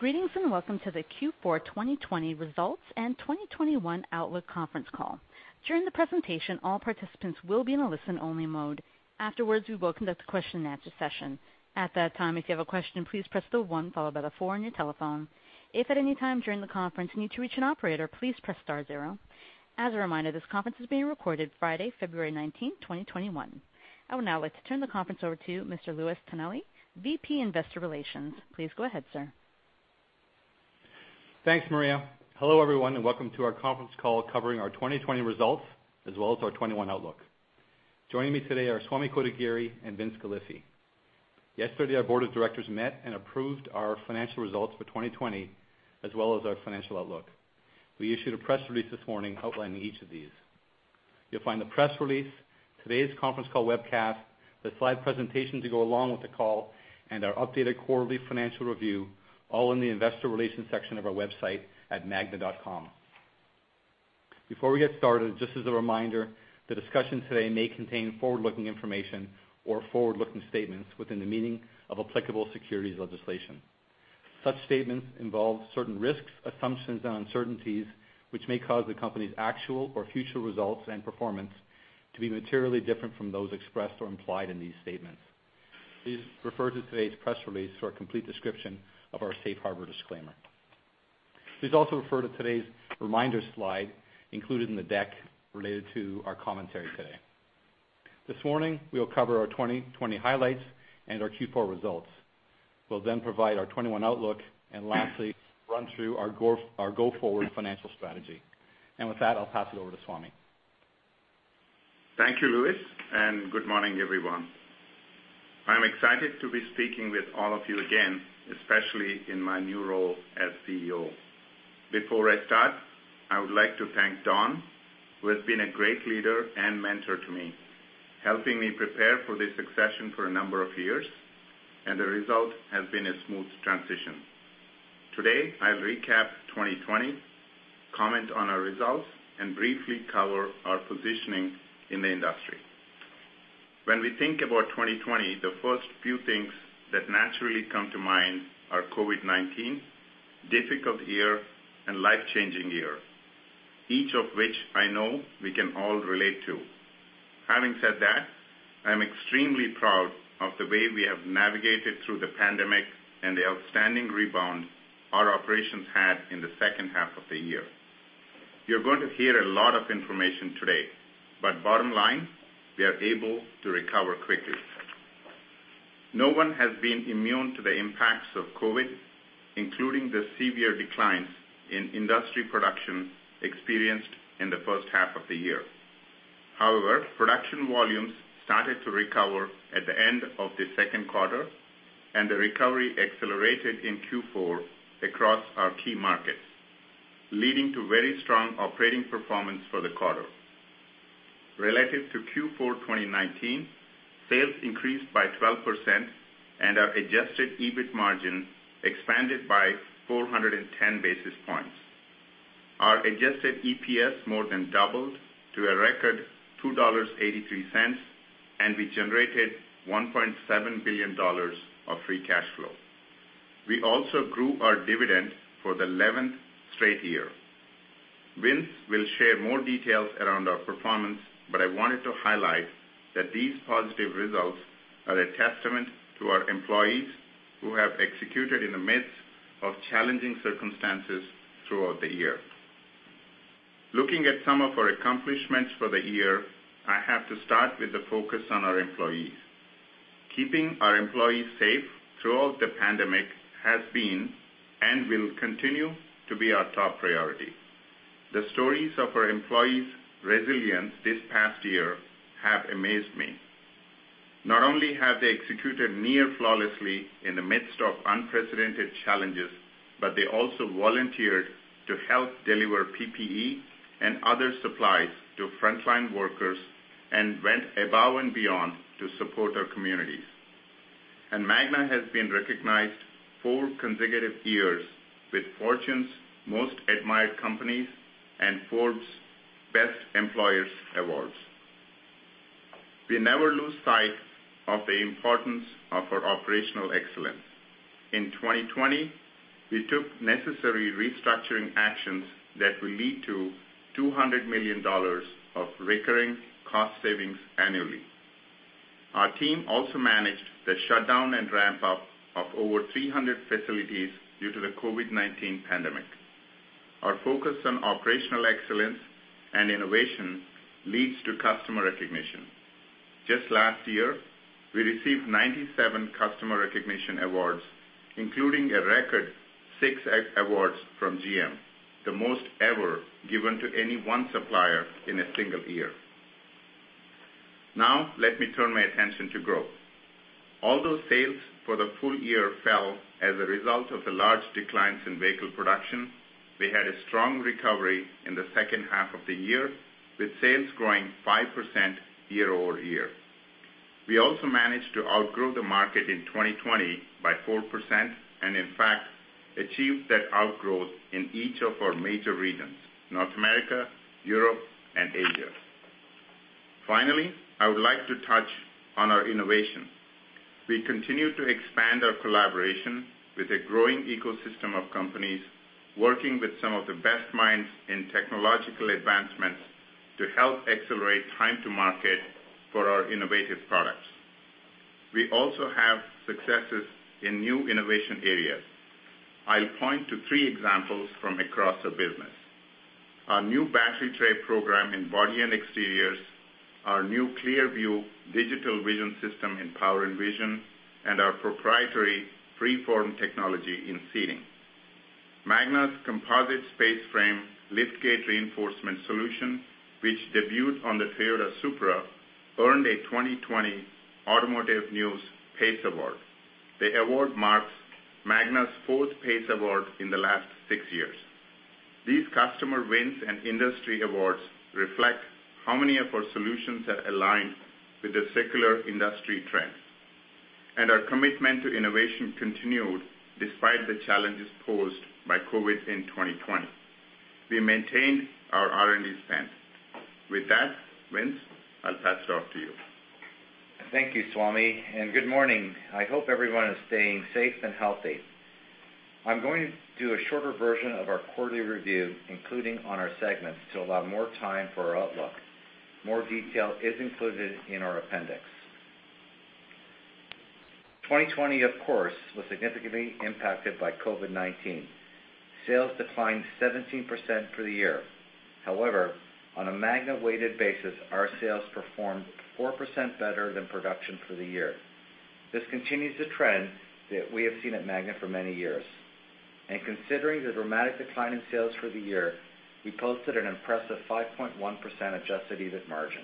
Greetings and welcome to the Q4 2020 results and 2021 outlook conference call. During the presentation, all participants will be in a listen-only mode. Afterwards, we will conduct a question-and-answer session. At that time, if you have a question, please press the 1 followed by the 4 on your telephone. If at any time during the conference you need to reach an operator, please press star 0. As a reminder, this conference is being recorded Friday, February 19, 2021. I would now like to turn the conference over to Mr. Louis Tonelli, VP Investor Relations. Please go ahead, sir. Thanks, Maria. Hello, everyone, and welcome to our conference call covering our 2020 results as well as our 2021 outlook. Joining me today are Swamy Kotagiri and Vince Galifi. Yesterday, our board of directors met and approved our financial results for 2020 as well as our financial outlook. We issued a press release this morning outlining each of these. You'll find the press release, today's conference call webcast, the slide presentation to go along with the call, and our updated quarterly financial review all in the investor relations section of our website at magna.com. Before we get started, just as a reminder, the discussion today may contain forward-looking information or forward-looking statements within the meaning of applicable securities legislation. Such statements involve certain risks, assumptions, and uncertainties which may cause the company's actual or future results and performance to be materially different from those expressed or implied in these statements. Please refer to today's press release for a complete description of our safe harbor disclaimer. Please also refer to today's reminder slide included in the deck related to our commentary today. This morning, we will cover our 2020 highlights and our Q4 results. We will then provide our 2021 outlook and lastly, run through our go-forward financial strategy. With that, I'll pass it over to Swamy. Thank you, Louis, and good morning, everyone. I'm excited to be speaking with all of you again, especially in my new role as CEO. Before I start, I would like to thank Don, who has been a great leader and mentor to me, helping me prepare for this succession for a number of years, and the result has been a smooth transition. Today, I'll recap 2020, comment on our results, and briefly cover our positioning in the industry. When we think about 2020, the first few things that naturally come to mind are COVID-19, difficult year, and life-changing year, each of which I know we can all relate to. Having said that, I'm extremely proud of the way we have navigated through the pandemic and the outstanding rebound our operations had in the second half of the year. You're going to hear a lot of information today, but bottom line, we are able to recover quickly. No one has been immune to the impacts of COVID, including the severe declines in industry production experienced in the first half of the year. However, production volumes started to recover at the end of the second quarter, and the recovery accelerated in Q4 across our key markets, leading to very strong operating performance for the quarter. Relative to Q4 2019, sales increased by 12%, and our adjusted EBIT margin expanded by 410 basis points. Our adjusted EPS more than doubled to a record $2.83, and we generated $1.7 billion of free cash flow. We also grew our dividend for the 11th straight year. Vince will share more details around our performance, but I wanted to highlight that these positive results are a testament to our employees who have executed in the midst of challenging circumstances throughout the year. Looking at some of our accomplishments for the year, I have to start with the focus on our employees. Keeping our employees safe throughout the pandemic has been and will continue to be our top priority. The stories of our employees' resilience this past year have amazed me. Not only have they executed near flawlessly in the midst of unprecedented challenges, they also volunteered to help deliver PPE and other supplies to frontline workers and went above and beyond to support our communities. Magna has been recognized for consecutive years with Fortune's Most Admired Companies and Forbes' Best Employers awards. We never lose sight of the importance of our operational excellence. In 2020, we took necessary restructuring actions that will lead to $200 million of recurring cost savings annually. Our team also managed the shutdown and ramp-up of over 300 facilities due to the COVID-19 pandemic. Our focus on operational excellence and innovation leads to customer recognition. Just last year, we received 97 customer recognition awards, including a record six awards from GM, the most ever given to any one supplier in a single year. Now, let me turn my attention to growth. Although sales for the full year fell as a result of the large declines in vehicle production, we had a strong recovery in the second half of the year, with sales growing 5% year over year. We also managed to outgrow the market in 2020 by 4% and, in fact, achieved that outgrowth in each of our major regions: North America, Europe, and Asia. Finally, I would like to touch on our innovation. We continue to expand our collaboration with a growing ecosystem of companies, working with some of the best minds in technological advancements to help accelerate time-to-market for our innovative products. We also have successes in new innovation areas. I'll point to three examples from across our business: our new battery tray program in body and exteriors, our new Clearview digital vision system in power and vision, and our proprietary freeform technology in seating. Magna's composite space frame liftgate reinforcement solution, which debuted on the Toyota Supra, earned a 2020 Automotive News Pace Award. The award marks Magna's fourth Pace Award in the last six years. These customer wins and industry awards reflect how many of our solutions are aligned with the circular industry trends. Our commitment to innovation continued despite the challenges posed by COVID in 2020. We maintained our R&D spend. With that, Vince, I'll pass it off to you. Thank you, Swamy, and good morning. I hope everyone is staying safe and healthy. I'm going to do a shorter version of our quarterly review, including on our segments, to allow more time for our outlook. More detail is included in our appendix. 2020, of course, was significantly impacted by COVID-19. Sales declined 17% for the year. However, on a Magna-weighted basis, our sales performed 4% better than production for the year. This continues the trend that we have seen at Magna for many years. Considering the dramatic decline in sales for the year, we posted an impressive 5.1% adjusted EBIT margin.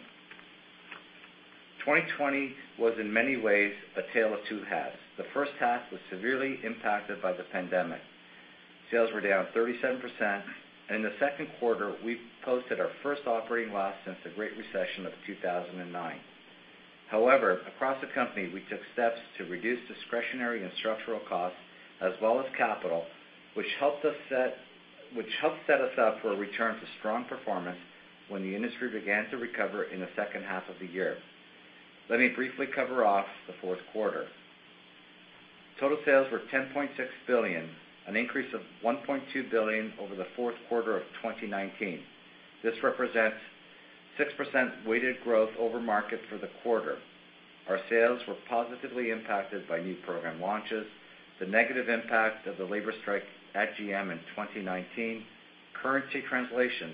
2020 was, in many ways, a tale of two halves. The first half was severely impacted by the pandemic. Sales were down 37%. In the second quarter, we posted our first operating loss since the Great Recession of 2009. However, across the company, we took steps to reduce discretionary and structural costs as well as capital, which helped set us up for a return to strong performance when the industry began to recover in the second half of the year. Let me briefly cover off the fourth quarter. Total sales were $10.6 billion, an increase of $1.2 billion over the fourth quarter of 2019. This represents 6% weighted growth over market for the quarter. Our sales were positively impacted by new program launches, the negative impact of the labor strike at GM in 2019, currency translation,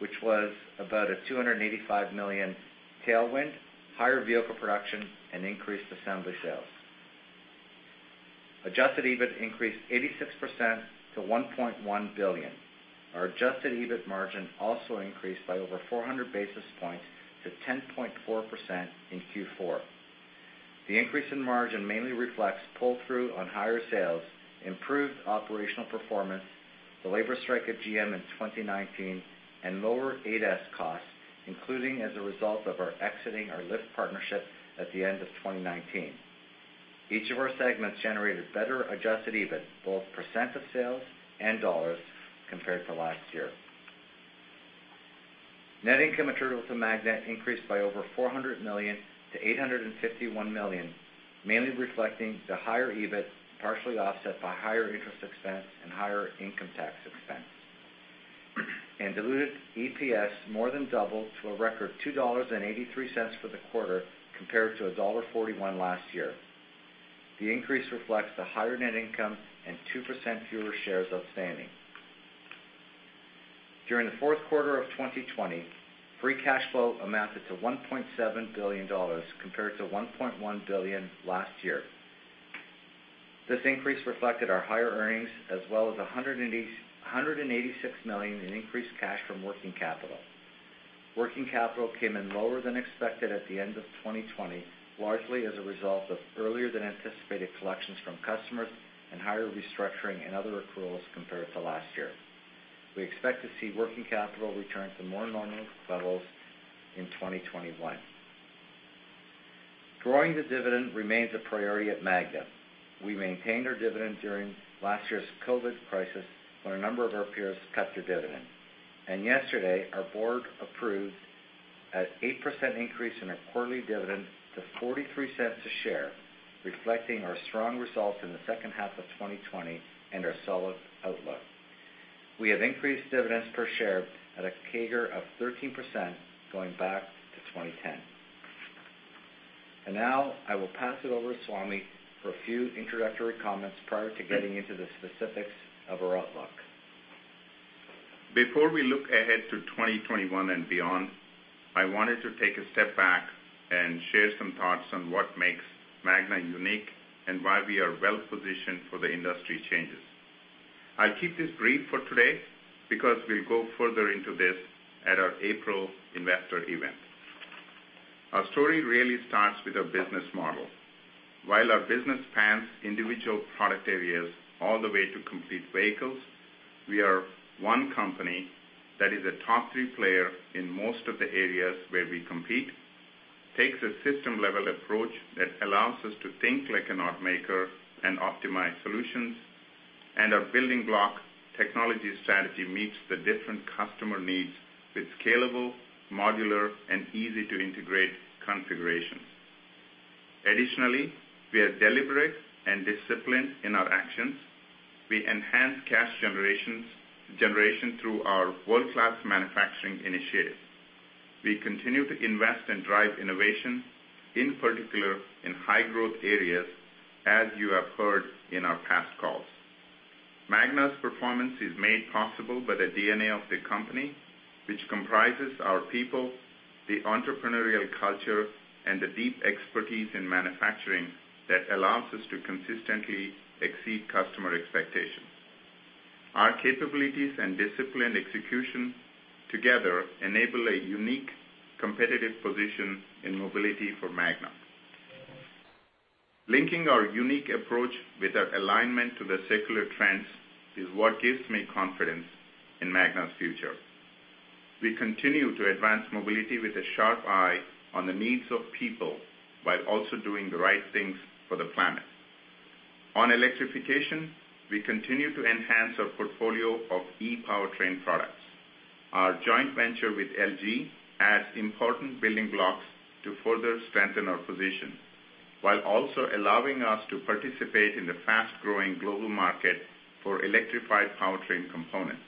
which was about a $285 million tailwind, higher vehicle production, and increased assembly sales. Adjusted EBIT increased 86% to $1.1 billion. Our adjusted EBIT margin also increased by over 400 basis points to 10.4% in Q4. The increase in margin mainly reflects pull-through on higher sales, improved operational performance, the labor strike at GM in 2019, and lower ADAS costs, including as a result of our exiting our Lyft partnership at the end of 2019. Each of our segments generated better adjusted EBIT, both % of sales and dollars, compared to last year. Net income attributable to Magna increased by over $400 million to $851 million, mainly reflecting the higher EBIT partially offset by higher interest expense and higher income tax expense. Diluted EPS more than doubled to a record $2.83 for the quarter compared to $1.41 last year. The increase reflects the higher net income and 2% fewer shares outstanding. During the fourth quarter of 2020, free cash flow amounted to $1.7 billion compared to $1.1 billion last year. This increase reflected our higher earnings as well as $186 million in increased cash from working capital. Working capital came in lower than expected at the end of 2020, largely as a result of earlier than anticipated collections from customers and higher restructuring and other accruals compared to last year. We expect to see working capital return to more normal levels in 2021. Growing the dividend remains a priority at Magna. We maintained our dividend during last year's COVID crisis when a number of our peers cut their dividend. Yesterday, our board approved an 8% increase in our quarterly dividend to $0.43 a share, reflecting our strong results in the second half of 2020 and our solid outlook. We have increased dividends per share at a CAGR of 13% going back to 2010. I will pass it over to Swamy for a few introductory comments prior to getting into the specifics of our outlook. Before we look ahead to 2021 and beyond, I wanted to take a step back and share some thoughts on what makes Magna unique and why we are well-positioned for the industry changes. I'll keep this brief for today because we'll go further into this at our April investor event. Our story really starts with our business model. While our business spans individual product areas all the way to complete vehicles, we are one company that is a top-tier player in most of the areas where we compete, takes a system-level approach that allows us to think like an automaker and optimize solutions, and our building block technology strategy meets the different customer needs with scalable, modular, and easy-to-integrate configurations. Additionally, we are deliberate and disciplined in our actions. We enhance cash generation through our world-class manufacturing initiative. We continue to invest and drive innovation, in particular in high-growth areas, as you have heard in our past calls. Magna's performance is made possible by the DNA of the company, which comprises our people, the entrepreneurial culture, and the deep expertise in manufacturing that allows us to consistently exceed customer expectations. Our capabilities and disciplined execution together enable a unique competitive position in mobility for Magna. Linking our unique approach with our alignment to the circular trends is what gives me confidence in Magna's future. We continue to advance mobility with a sharp eye on the needs of people while also doing the right things for the planet. On electrification, we continue to enhance our portfolio of e-powertrain products. Our joint venture with LG adds important building blocks to further strengthen our position, while also allowing us to participate in the fast-growing global market for electrified powertrain components.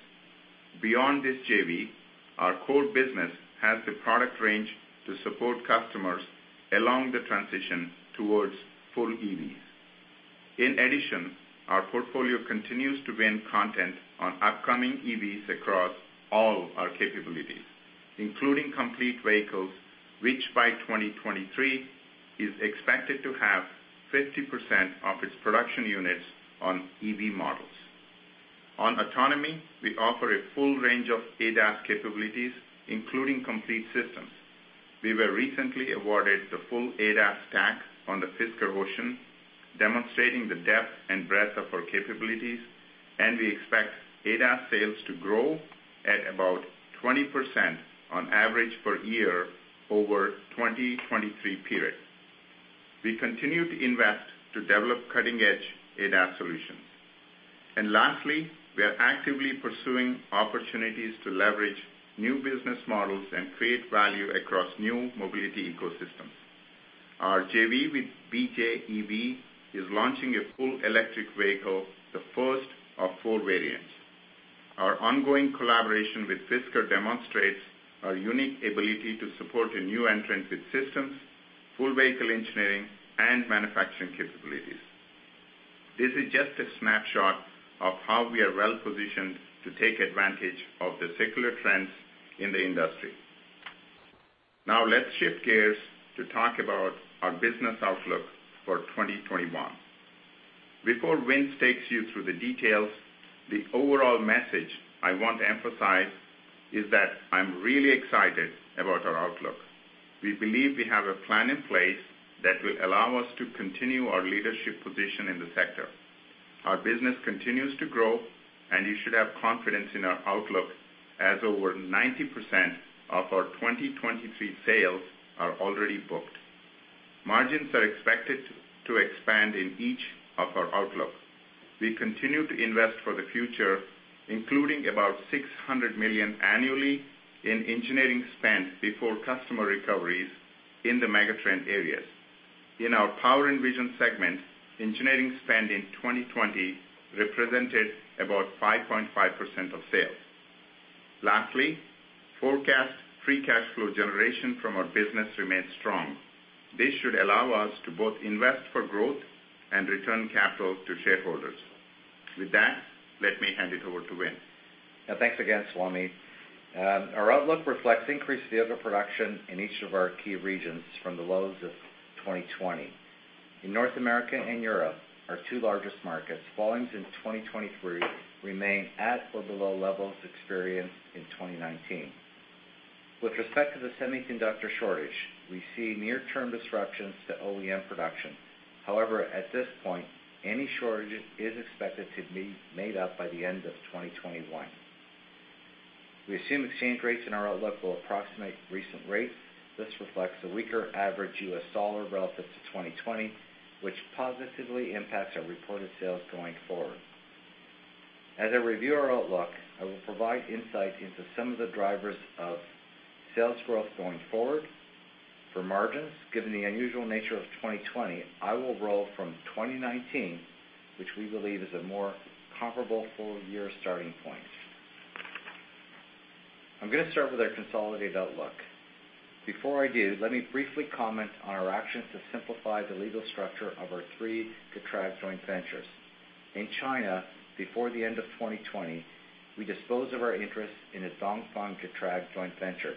Beyond this JV, our core business has the product range to support customers along the transition towards full EVs. In addition, our portfolio continues to win content on upcoming EVs across all our capabilities, including complete vehicles, which by 2023 is expected to have 50% of its production units on EV models. On autonomy, we offer a full range of ADAS capabilities, including complete systems. We were recently awarded the full ADAS stack on the Fisker Ocean, demonstrating the depth and breadth of our capabilities, and we expect ADAS sales to grow at about 20% on average per year over the 2023 period. We continue to invest to develop cutting-edge ADAS solutions. Lastly, we are actively pursuing opportunities to leverage new business models and create value across new mobility ecosystems. Our JV with BJEV is launching a full electric vehicle, the first of four variants. Our ongoing collaboration with Fisker demonstrates our unique ability to support a new entrant with systems, full vehicle engineering, and manufacturing capabilities. This is just a snapshot of how we are well-positioned to take advantage of the circular trends in the industry. Now, let's shift gears to talk about our business outlook for 2021. Before Vince takes you through the details, the overall message I want to emphasize is that I'm really excited about our outlook. We believe we have a plan in place that will allow us to continue our leadership position in the sector. Our business continues to grow, and you should have confidence in our outlook as over 90% of our 2023 sales are already booked. Margins are expected to expand in each of our outlook. We continue to invest for the future, including about $600 million annually in engineering spend before customer recoveries in the megatrend areas. In our power and vision segment, engineering spend in 2020 represented about 5.5% of sales. Lastly, forecast free cash flow generation from our business remains strong. This should allow us to both invest for growth and return capital to shareholders. With that, let me hand it over to Vin. Thanks again, Swamy. Our outlook reflects increased vehicle production in each of our key regions from the lows of 2020. In North America and Europe, our two largest markets, volumes in 2023 remain at or below levels experienced in 2019. With respect to the semiconductor shortage, we see near-term disruptions to OEM production. However, at this point, any shortage is expected to be made up by the end of 2021. We assume exchange rates in our outlook will approximate recent rates. This reflects a weaker average U.S. dollar relative to 2020, which positively impacts our reported sales going forward. As I review our outlook, I will provide insight into some of the drivers of sales growth going forward. For margins, given the unusual nature of 2020, I will roll from 2019, which we believe is a more comparable four-year starting point. I'm going to start with our consolidated outlook. Before I do, let me briefly comment on our actions to simplify the legal structure of our three Cattrag joint ventures. In China, before the end of 2020, we disposed of our interest in a Dongfang Cattrag joint venture,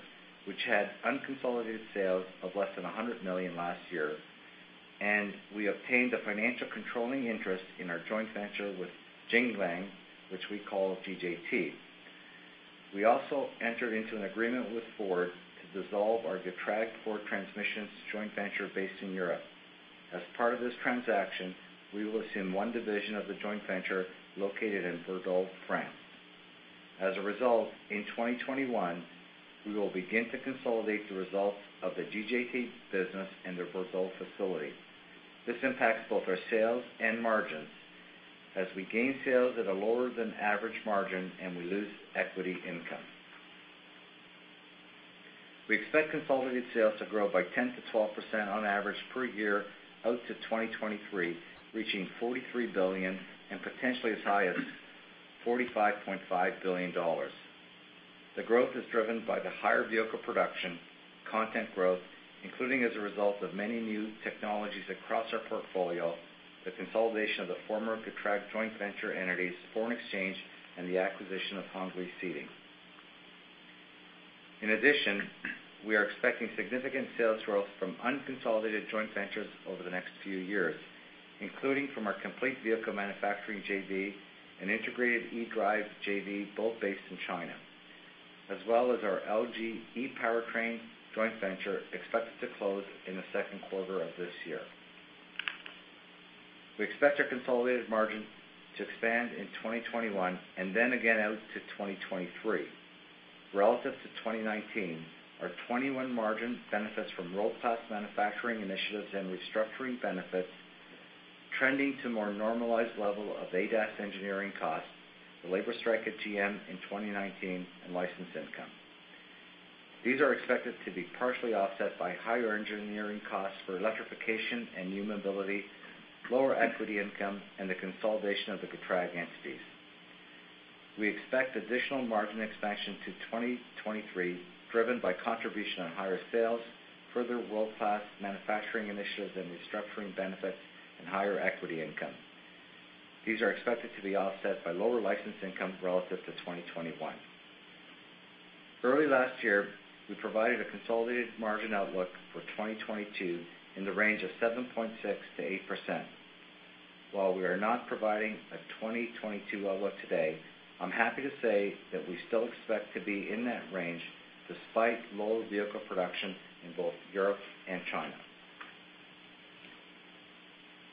which had unconsolidated sales of less than $100 million last year. We obtained a financial controlling interest in our joint venture with Jinglang, which we call GJT. We also entered into an agreement with Ford to dissolve our Cattrag Ford Transmissions joint venture based in Europe. As part of this transaction, we will assume one division of the joint venture located in Verdon, France. As a result, in 2021, we will begin to consolidate the results of the GJT business and the Verdon facility. This impacts both our sales and margins as we gain sales at a lower-than-average margin and we lose equity income. We expect consolidated sales to grow by 10%-12% on average per year out to 2023, reaching $43 billion and potentially as high as $45.5 billion. The growth is driven by the higher vehicle production, content growth, including as a result of many new technologies across our portfolio, the consolidation of the former Cattrag joint venture entities, foreign exchange, and the acquisition of Hongli Seating. In addition, we are expecting significant sales growth from unconsolidated joint ventures over the next few years, including from our complete vehicle manufacturing JV and integrated eDrive JV, both based in China, as well as our LG ePowertrain joint venture expected to close in the second quarter of this year. We expect our consolidated margin to expand in 2021 and then again out to 2023. Relative to 2019, our 2021 margin benefits from world-class manufacturing initiatives and restructuring benefits trending to a more normalized level of ADAS engineering costs, the labor strike at GM in 2019, and licensed income. These are expected to be partially offset by higher engineering costs for electrification and new mobility, lower equity income, and the consolidation of the Cattrag entities. We expect additional margin expansion to 2023, driven by contribution on higher sales, further world-class manufacturing initiatives, and restructuring benefits and higher equity income. These are expected to be offset by lower licensed income relative to 2021. Early last year, we provided a consolidated margin outlook for 2022 in the range of 7.6%-8%. While we are not providing a 2022 outlook today, I'm happy to say that we still expect to be in that range despite lower vehicle production in both Europe and China.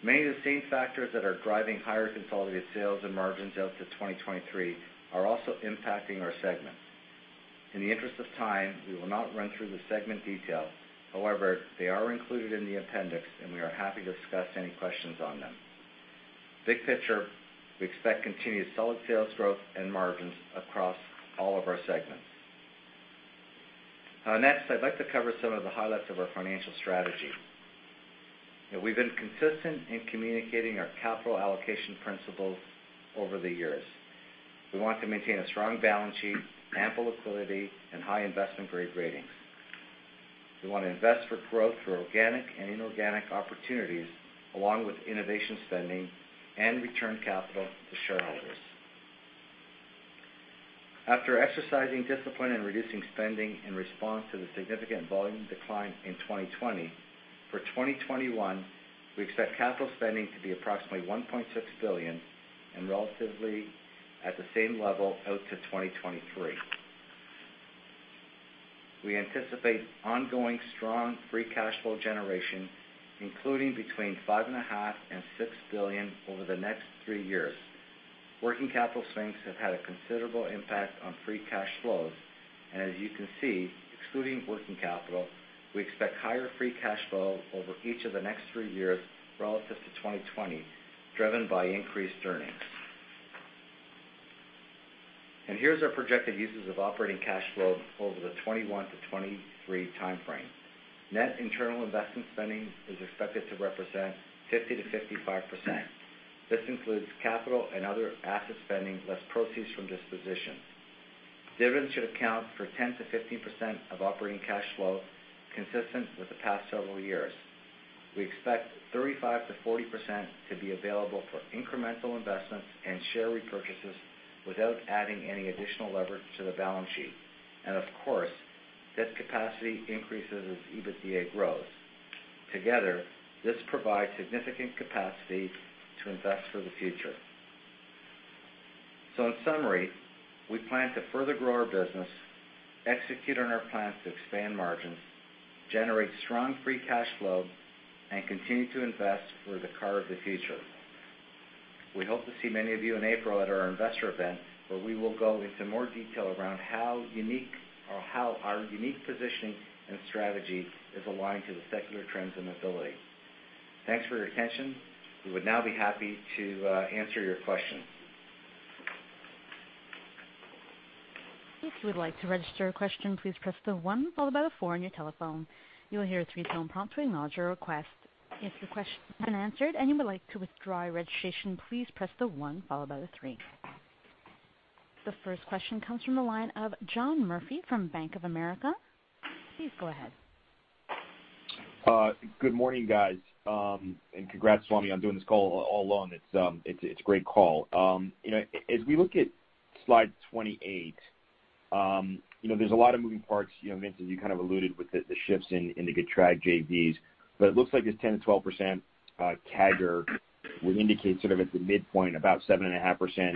Many of the same factors that are driving higher consolidated sales and margins out to 2023 are also impacting our segment. In the interest of time, we will not run through the segment detail. However, they are included in the appendix, and we are happy to discuss any questions on them. Big picture, we expect continued solid sales growth and margins across all of our segments. Next, I'd like to cover some of the highlights of our financial strategy. We've been consistent in communicating our capital allocation principles over the years. We want to maintain a strong balance sheet, ample liquidity, and high investment-grade ratings. We want to invest for growth through organic and inorganic opportunities, along with innovation spending and return capital to shareholders. After exercising discipline and reducing spending in response to the significant volume decline in 2020, for 2021, we expect capital spending to be approximately $1.6 billion and relatively at the same level out to 2023. We anticipate ongoing strong free cash flow generation, including between $5.5 billion and $6 billion over the next three years. Working capital swings have had a considerable impact on free cash flows. As you can see, excluding working capital, we expect higher free cash flow over each of the next three years relative to 2020, driven by increased earnings. Here is our projected uses of operating cash flow over the 2021 to 2023 timeframe. Net internal investment spending is expected to represent 50%-55%. This includes capital and other asset spending less proceeds from disposition. Dividends should account for 10%-15% of operating cash flow consistent with the past several years. We expect 35%-40% to be available for incremental investments and share repurchases without adding any additional leverage to the balance sheet. Of course, this capacity increases as EBITDA grows. Together, this provides significant capacity to invest for the future. In summary, we plan to further grow our business, execute on our plans to expand margins, generate strong free cash flow, and continue to invest for the car of the future. We hope to see many of you in April at our investor event, where we will go into more detail around how our unique positioning and strategy is aligned to the secular trends in mobility. Thanks for your attention. We would now be happy to answer your questions. If you would like to register a question, please press the 1 followed by the 4 on your telephone. You will hear a three-tone prompt to acknowledge your request. If your question has been answered and you would like to withdraw your registration, please press the 1 followed by the 3. The first question comes from the line of John Murphy from Bank of America. Please go ahead. Good morning, guys. Congrats, Swamy, on doing this call all alone. It's a great call. As we look at slide 28, there's a lot of moving parts. Vincent, you kind of alluded with the shifts in the Cattrag JVs. It looks like this 10%-12% CAGR would indicate sort of at the midpoint about 7.5%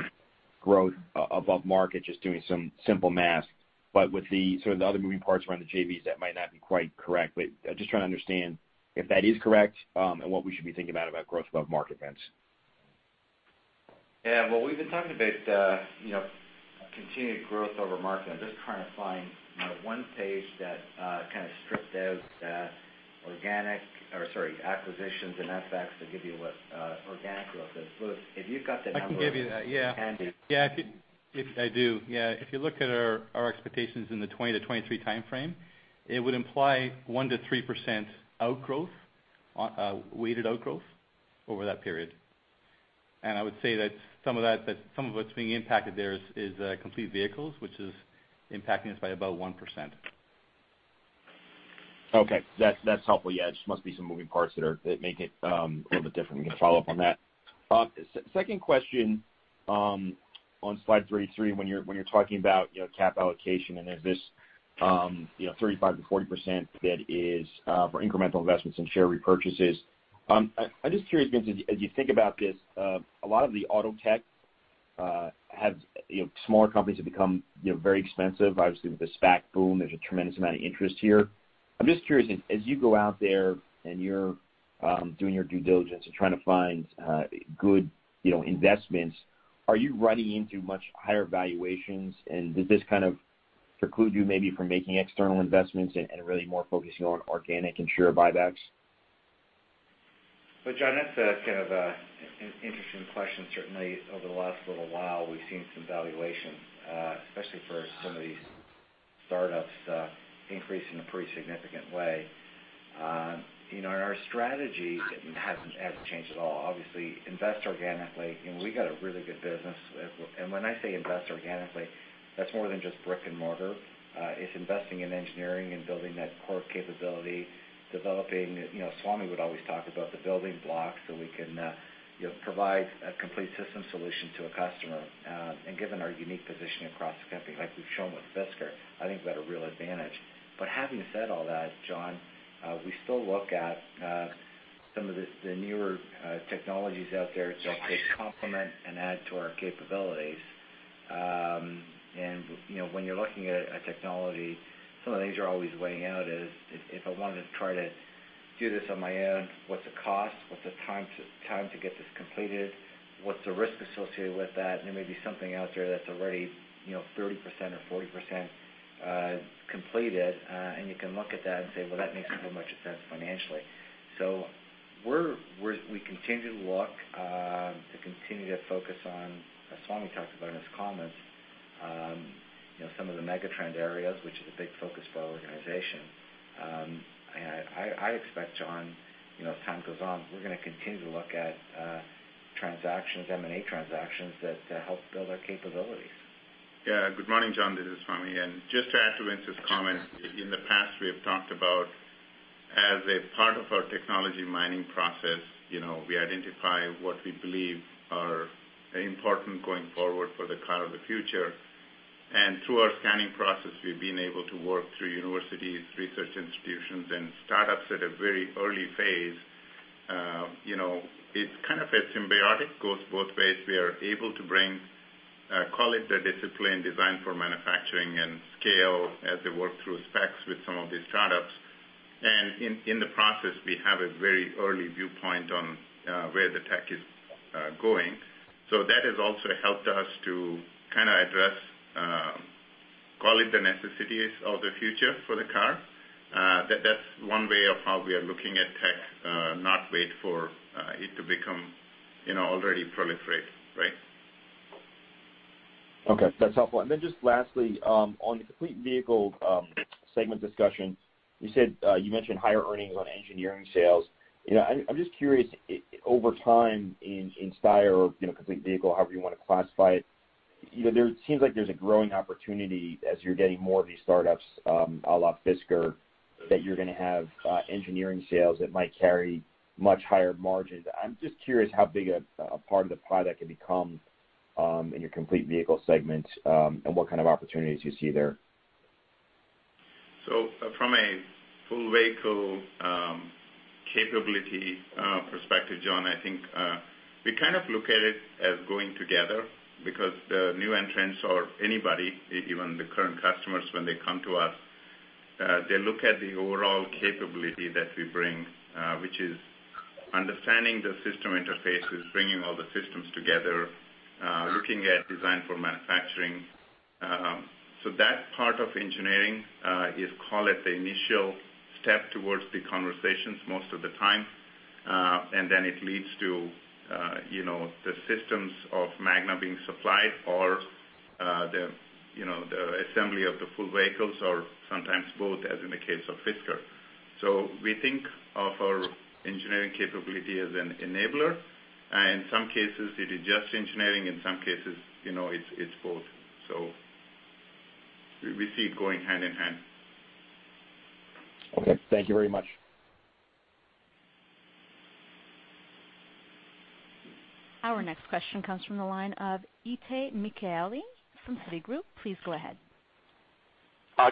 growth above market, just doing some simple math. With the sort of the other moving parts around the JVs, that might not be quite correct. I'm just trying to understand if that is correct and what we should be thinking about about growth above market vents. Yeah. We've been talking about continued growth over market. I'm just trying to find my one page that kind of stripped out organic, or sorry, acquisitions and FX to give you what organic growth is. Blue, if you've got the number. I can give you that. Yeah. Yeah. If I do. Yeah. If you look at our expectations in the 2020 to 2023 timeframe, it would imply 1%-3% outgrowth, weighted outgrowth over that period. I would say that some of that, some of what's being impacted there is complete vehicles, which is impacting us by about 1%. Okay. That's helpful. Yeah. There must be some moving parts that make it a little bit different. We can follow up on that. Second question on slide 33, when you're talking about cap allocation and there's this 35%-40% that is for incremental investments and share repurchases. I'm just curious, Vincent, as you think about this, a lot of the auto tech have smaller companies that become very expensive. Obviously, with the SPAC boom, there's a tremendous amount of interest here. I'm just curious, as you go out there and you're doing your due diligence and trying to find good investments, are you running into much higher valuations? Does this kind of preclude you maybe from making external investments and really more focusing on organic and share buybacks? John, that's a kind of an interesting question. Certainly, over the last little while, we've seen some valuations, especially for some of these startups increase in a pretty significant way. Our strategy hasn't changed at all. Obviously, invest organically. We've got a really good business. When I say invest organically, that's more than just brick and mortar. It's investing in engineering and building that core capability, developing—Swamy would always talk about the building blocks so we can provide a complete system solution to a customer. Given our unique position across the company, like we've shown with Fisker, I think we've got a real advantage. Having said all that, John, we still look at some of the newer technologies out there to complement and add to our capabilities. When you're looking at a technology, some of the things you're always weighing out is, if I wanted to try to do this on my own, what's the cost? What's the time to get this completed? What's the risk associated with that? There may be something out there that's already 30% or 40% completed. You can look at that and say, "That makes so much sense financially." We continue to look to continue to focus on, as Swamy talked about in his comments, some of the megatrend areas, which is a big focus for our organization. I expect, John, as time goes on, we're going to continue to look at transactions, M&A transactions that help build our capabilities. Yeah. Good morning, John. This is Swamy. Just to add to Vincent's comment, in the past, we have talked about, as a part of our technology mining process, we identify what we believe are important going forward for the car of the future. Through our scanning process, we've been able to work through universities, research institutions, and startups at a very early phase. It's kind of a symbiotic—goes both ways. We are able to bring colleagues that are disciplined, designed for manufacturing and scale as they work through specs with some of these startups. In the process, we have a very early viewpoint on where the tech is going. That has also helped us to kind of address, call it the necessities of the future for the car. That's one way of how we are looking at tech, not wait for it to become already proliferated, right? Okay. That's helpful. Lastly, on the complete vehicle segment discussion, you mentioned higher earnings on engineering sales. I'm just curious, over time in Styr or complete vehicle, however you want to classify it, there seems like there's a growing opportunity as you're getting more of these startups—I will add Fisker—that you're going to have engineering sales that might carry much higher margins. I'm just curious how big a part of the pie that can become in your complete vehicle segment and what kind of opportunities you see there. From a full vehicle capability perspective, John, I think we kind of look at it as going together because the new entrants or anybody, even the current customers, when they come to us, they look at the overall capability that we bring, which is understanding the system interfaces, bringing all the systems together, looking at design for manufacturing. That part of engineering is, call it the initial step towards the conversations most of the time. It leads to the systems of Magna being supplied or the assembly of the full vehicles or sometimes both, as in the case of Fisker. We think of our engineering capability as an enabler. In some cases, it is just engineering. In some cases, it is both. We see it going hand in hand. Okay. Thank you very much. Our next question comes from the line of Itay Michaeli from Citigroup. Please go ahead.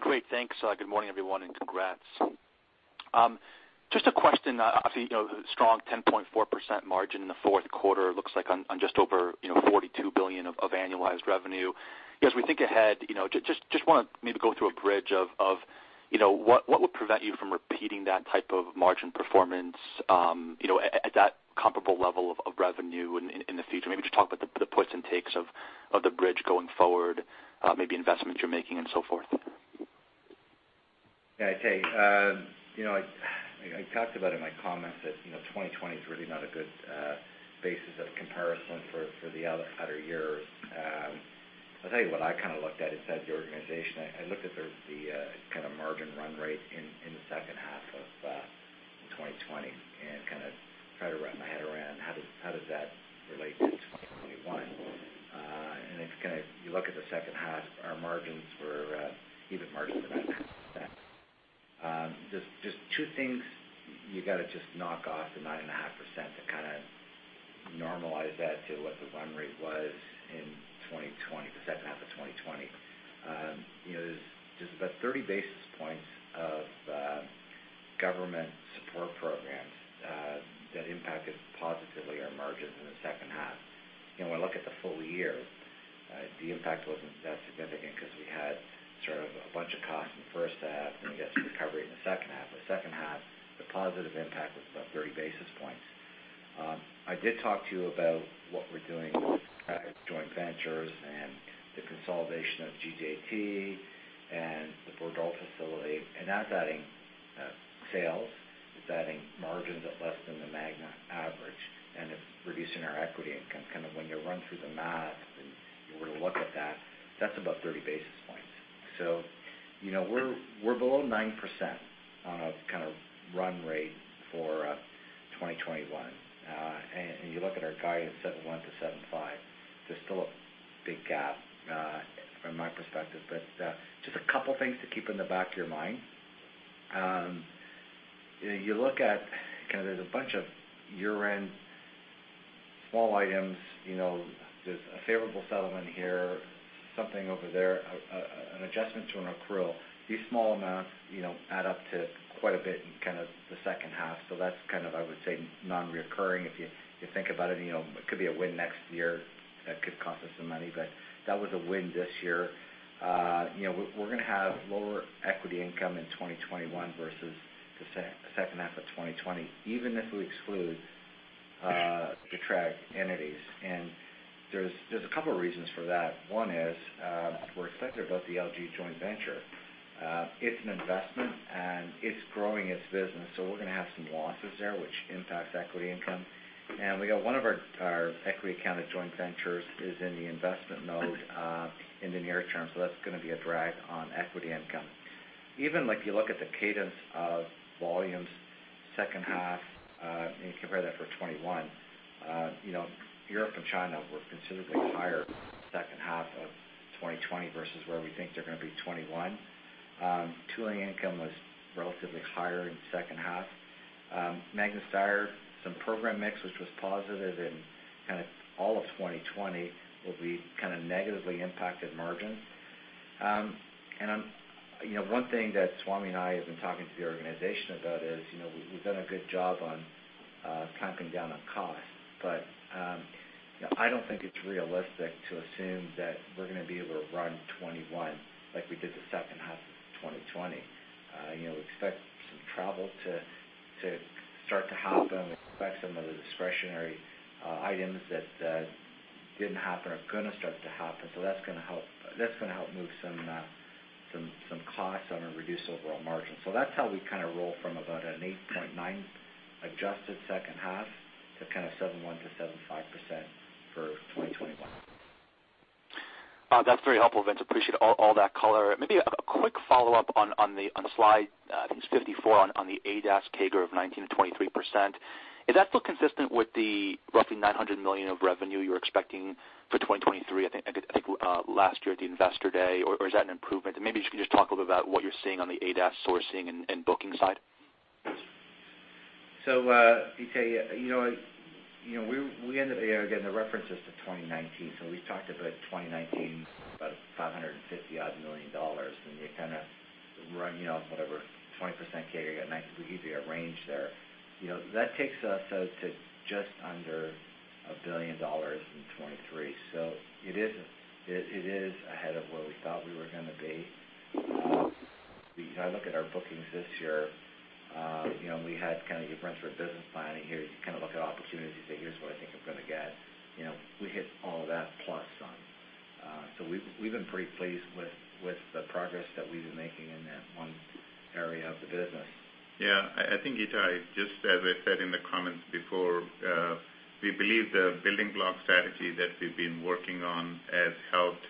Great. Thanks. Good morning, everyone, and congrats. Just a question. I see a strong 10.4% margin in the fourth quarter. It looks like on just over $42 billion of annualized revenue. As we think ahead, just want to maybe go through a bridge of what would prevent you from repeating that type of margin performance at that comparable level of revenue in the future? Maybe just talk about the puts and takes of the bridge going forward, maybe investments you're making, and so forth. Yeah. I talked about in my comments that 2020 is really not a good basis of comparison for the other years. I'll tell you what I kind of looked at inside the organization. I looked at the kind of margin run rate in the second half of 2020 and kind of tried to wrap my head around how does that relate to 2021. You look at the second half, our margins were even margins of 9.5%. Just two things you got to just knock off the 9.5% to kind of normalize that to what the run rate was in 2020, the second half of 2020. There's about 30 basis points of government support programs that impacted positively our margins in the second half. When I look at the full year, the impact was not that significant because we had sort of a bunch of costs in the first half, then we got some recovery in the second half. The second half, the positive impact was about 30 basis points. I did talk to you about what we are doing with joint ventures and the consolidation of GJT and the Bordeaux facility. That is adding sales, it is adding margins at less than the Magna average, and it is reducing our equity income. Kind of when you run through the math and you were to look at that, that is about 30 basis points. We are below 9% on our kind of run rate for 2021. You look at our guidance at 1%-7.5%, there is still a big gap from my perspective. Just a couple of things to keep in the back of your mind. You look at kind of there's a bunch of year-end small items. There's a favorable settlement here, something over there, an adjustment to an accrual. These small amounts add up to quite a bit in kind of the second half. That's kind of, I would say, non-reoccurring. If you think about it, it could be a win next year. That could cost us some money. That was a win this year. We're going to have lower equity income in 2021 versus the second half of 2020, even if we exclude Cattrag entities. There's a couple of reasons for that. One is we're excited about the LG joint venture. It's an investment, and it's growing its business. We're going to have some losses there, which impacts equity income. We got one of our equity-accounted joint ventures is in the investment mode in the near term. That's going to be a drag on equity income. Even if you look at the cadence of volumes, second half, and you compare that for 2021, Europe and China were considerably higher second half of 2020 versus where we think they're going to be 2021. Tooling income was relatively higher in the second half. Magna Steyr, some program mix, which was positive in kind of all of 2020, will be kind of negatively impacted margins. One thing that Swamy and I have been talking to the organization about is we've done a good job on clamping down on cost. I don't think it's realistic to assume that we're going to be able to run 2021 like we did the second half of 2020. We expect some travel to start to happen. We expect some of the discretionary items that didn't happen are going to start to happen. That is going to help move some costs on a reduced overall margin. That is how we kind of roll from about an 8.9% adjusted second half to kind of 7.1%-7.5% for 2021. That's very helpful, Vince. Appreciate all that color. Maybe a quick follow-up on the slide, I think it's 54 on the ADAS CAGR of 19%-23%. Is that still consistent with the roughly $900 million of revenue you're expecting for 2023? I think last year at the Investor Day, or is that an improvement? Maybe you can just talk a little bit about what you're seeing on the ADAS sourcing and booking side. I'll tell you, we ended up getting the references to 2019. We've talked about 2019, about $550-odd million. You kind of run whatever 20% CAGR, we usually arrange there. That takes us out to just under $1 billion in 2023. It is ahead of where we thought we were going to be. I look at our bookings this year. We had kind of you run through a business planning here. You kind of look at opportunities and say, "Here's what I think I'm going to get." We hit all of that + some. We've been pretty pleased with the progress that we've been making in that one area of the business. Yeah. I think I just, as I said in the comments before, we believe the building block strategy that we've been working on has helped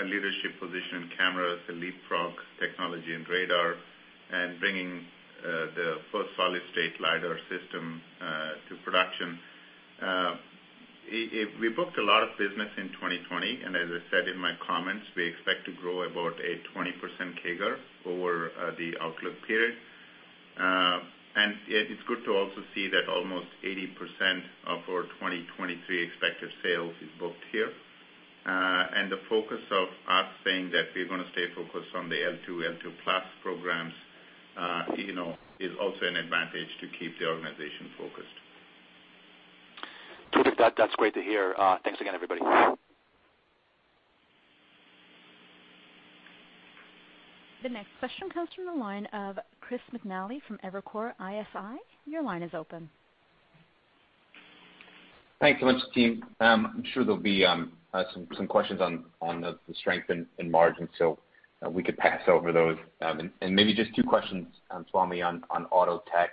a leadership position in cameras, EliteProg technology, and radar, and bringing the first solid-state LiDAR system to production. We booked a lot of business in 2020. As I said in my comments, we expect to grow about a 20% CAGR over the outlook period. It is good to also see that almost 80% of our 2023 expected sales is booked here. The focus of us saying that we're going to stay focused on the L2, L2 + programs is also an advantage to keep the organization focused. David, that's great to hear. Thanks again, everybody. The next question comes from the line of Christopher Patrick McNally from Evercore ISI. Your line is open. Thanks so much, team. I'm sure there'll be some questions on the strength and margin, so we could pass over those. Maybe just two questions, Swamy, on auto tech.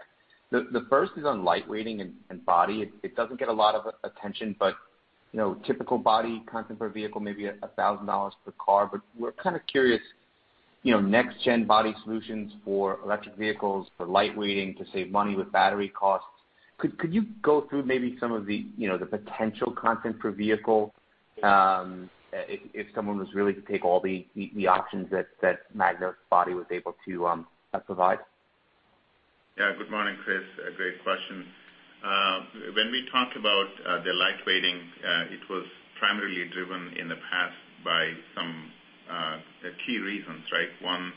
The first is on lightweighting and body. It doesn't get a lot of attention, but typical body content per vehicle, maybe $1,000 per car. We're kind of curious, next-gen body solutions for electric vehicles, for lightweighting to save money with battery costs. Could you go through maybe some of the potential content per vehicle if someone was really to take all the options that Magna's body was able to provide? Yeah. Good morning, Chris. Great question. When we talk about the lightweighting, it was primarily driven in the past by some key reasons, right? One,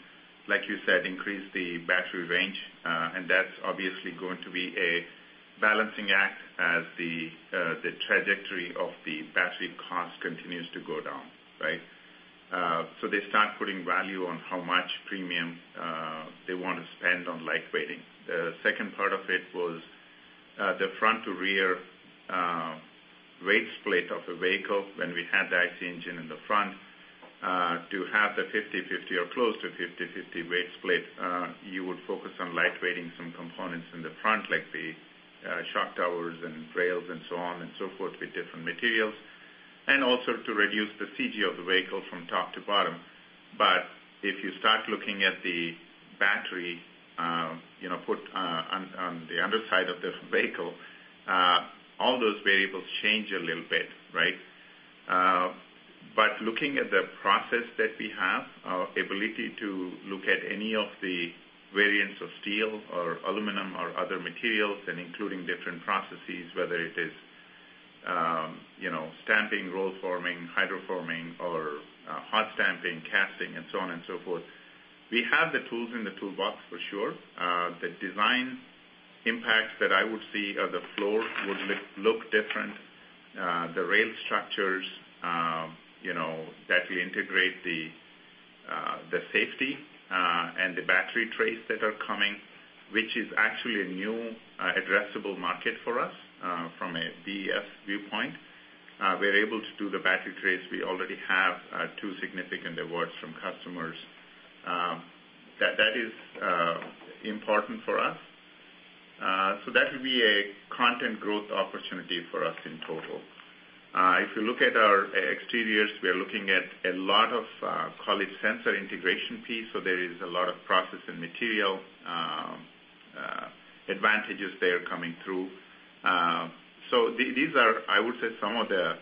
like you said, increase the battery range. That's obviously going to be a balancing act as the trajectory of the battery cost continues to go down, right? They start putting value on how much premium they want to spend on lightweighting. The second part of it was the front-to-rear weight split of a vehicle. When we had the IC engine in the front, to have the 50/50 or close to 50/50 weight split, you would focus on lightweighting some components in the front, like the shock towers and rails and so on and so forth with different materials, and also to reduce the CG of the vehicle from top to bottom. If you start looking at the battery put on the underside of the vehicle, all those variables change a little bit, right? Looking at the process that we have, our ability to look at any of the variants of steel or aluminum or other materials and including different processes, whether it is stamping, roll forming, hydroforming, or hot stamping, casting, and so on and so forth, we have the tools in the toolbox, for sure. The design impacts that I would see of the floor would look different. The rail structures that will integrate the safety and the battery trays that are coming, which is actually a new addressable market for us from a BES viewpoint. We're able to do the battery trays. We already have two significant awards from customers. That is important for us. That would be a content growth opportunity for us in total. If you look at our exteriors, we are looking at a lot of, call it, sensor integration piece. There is a lot of process and material advantages there coming through. These are, I would say, some of the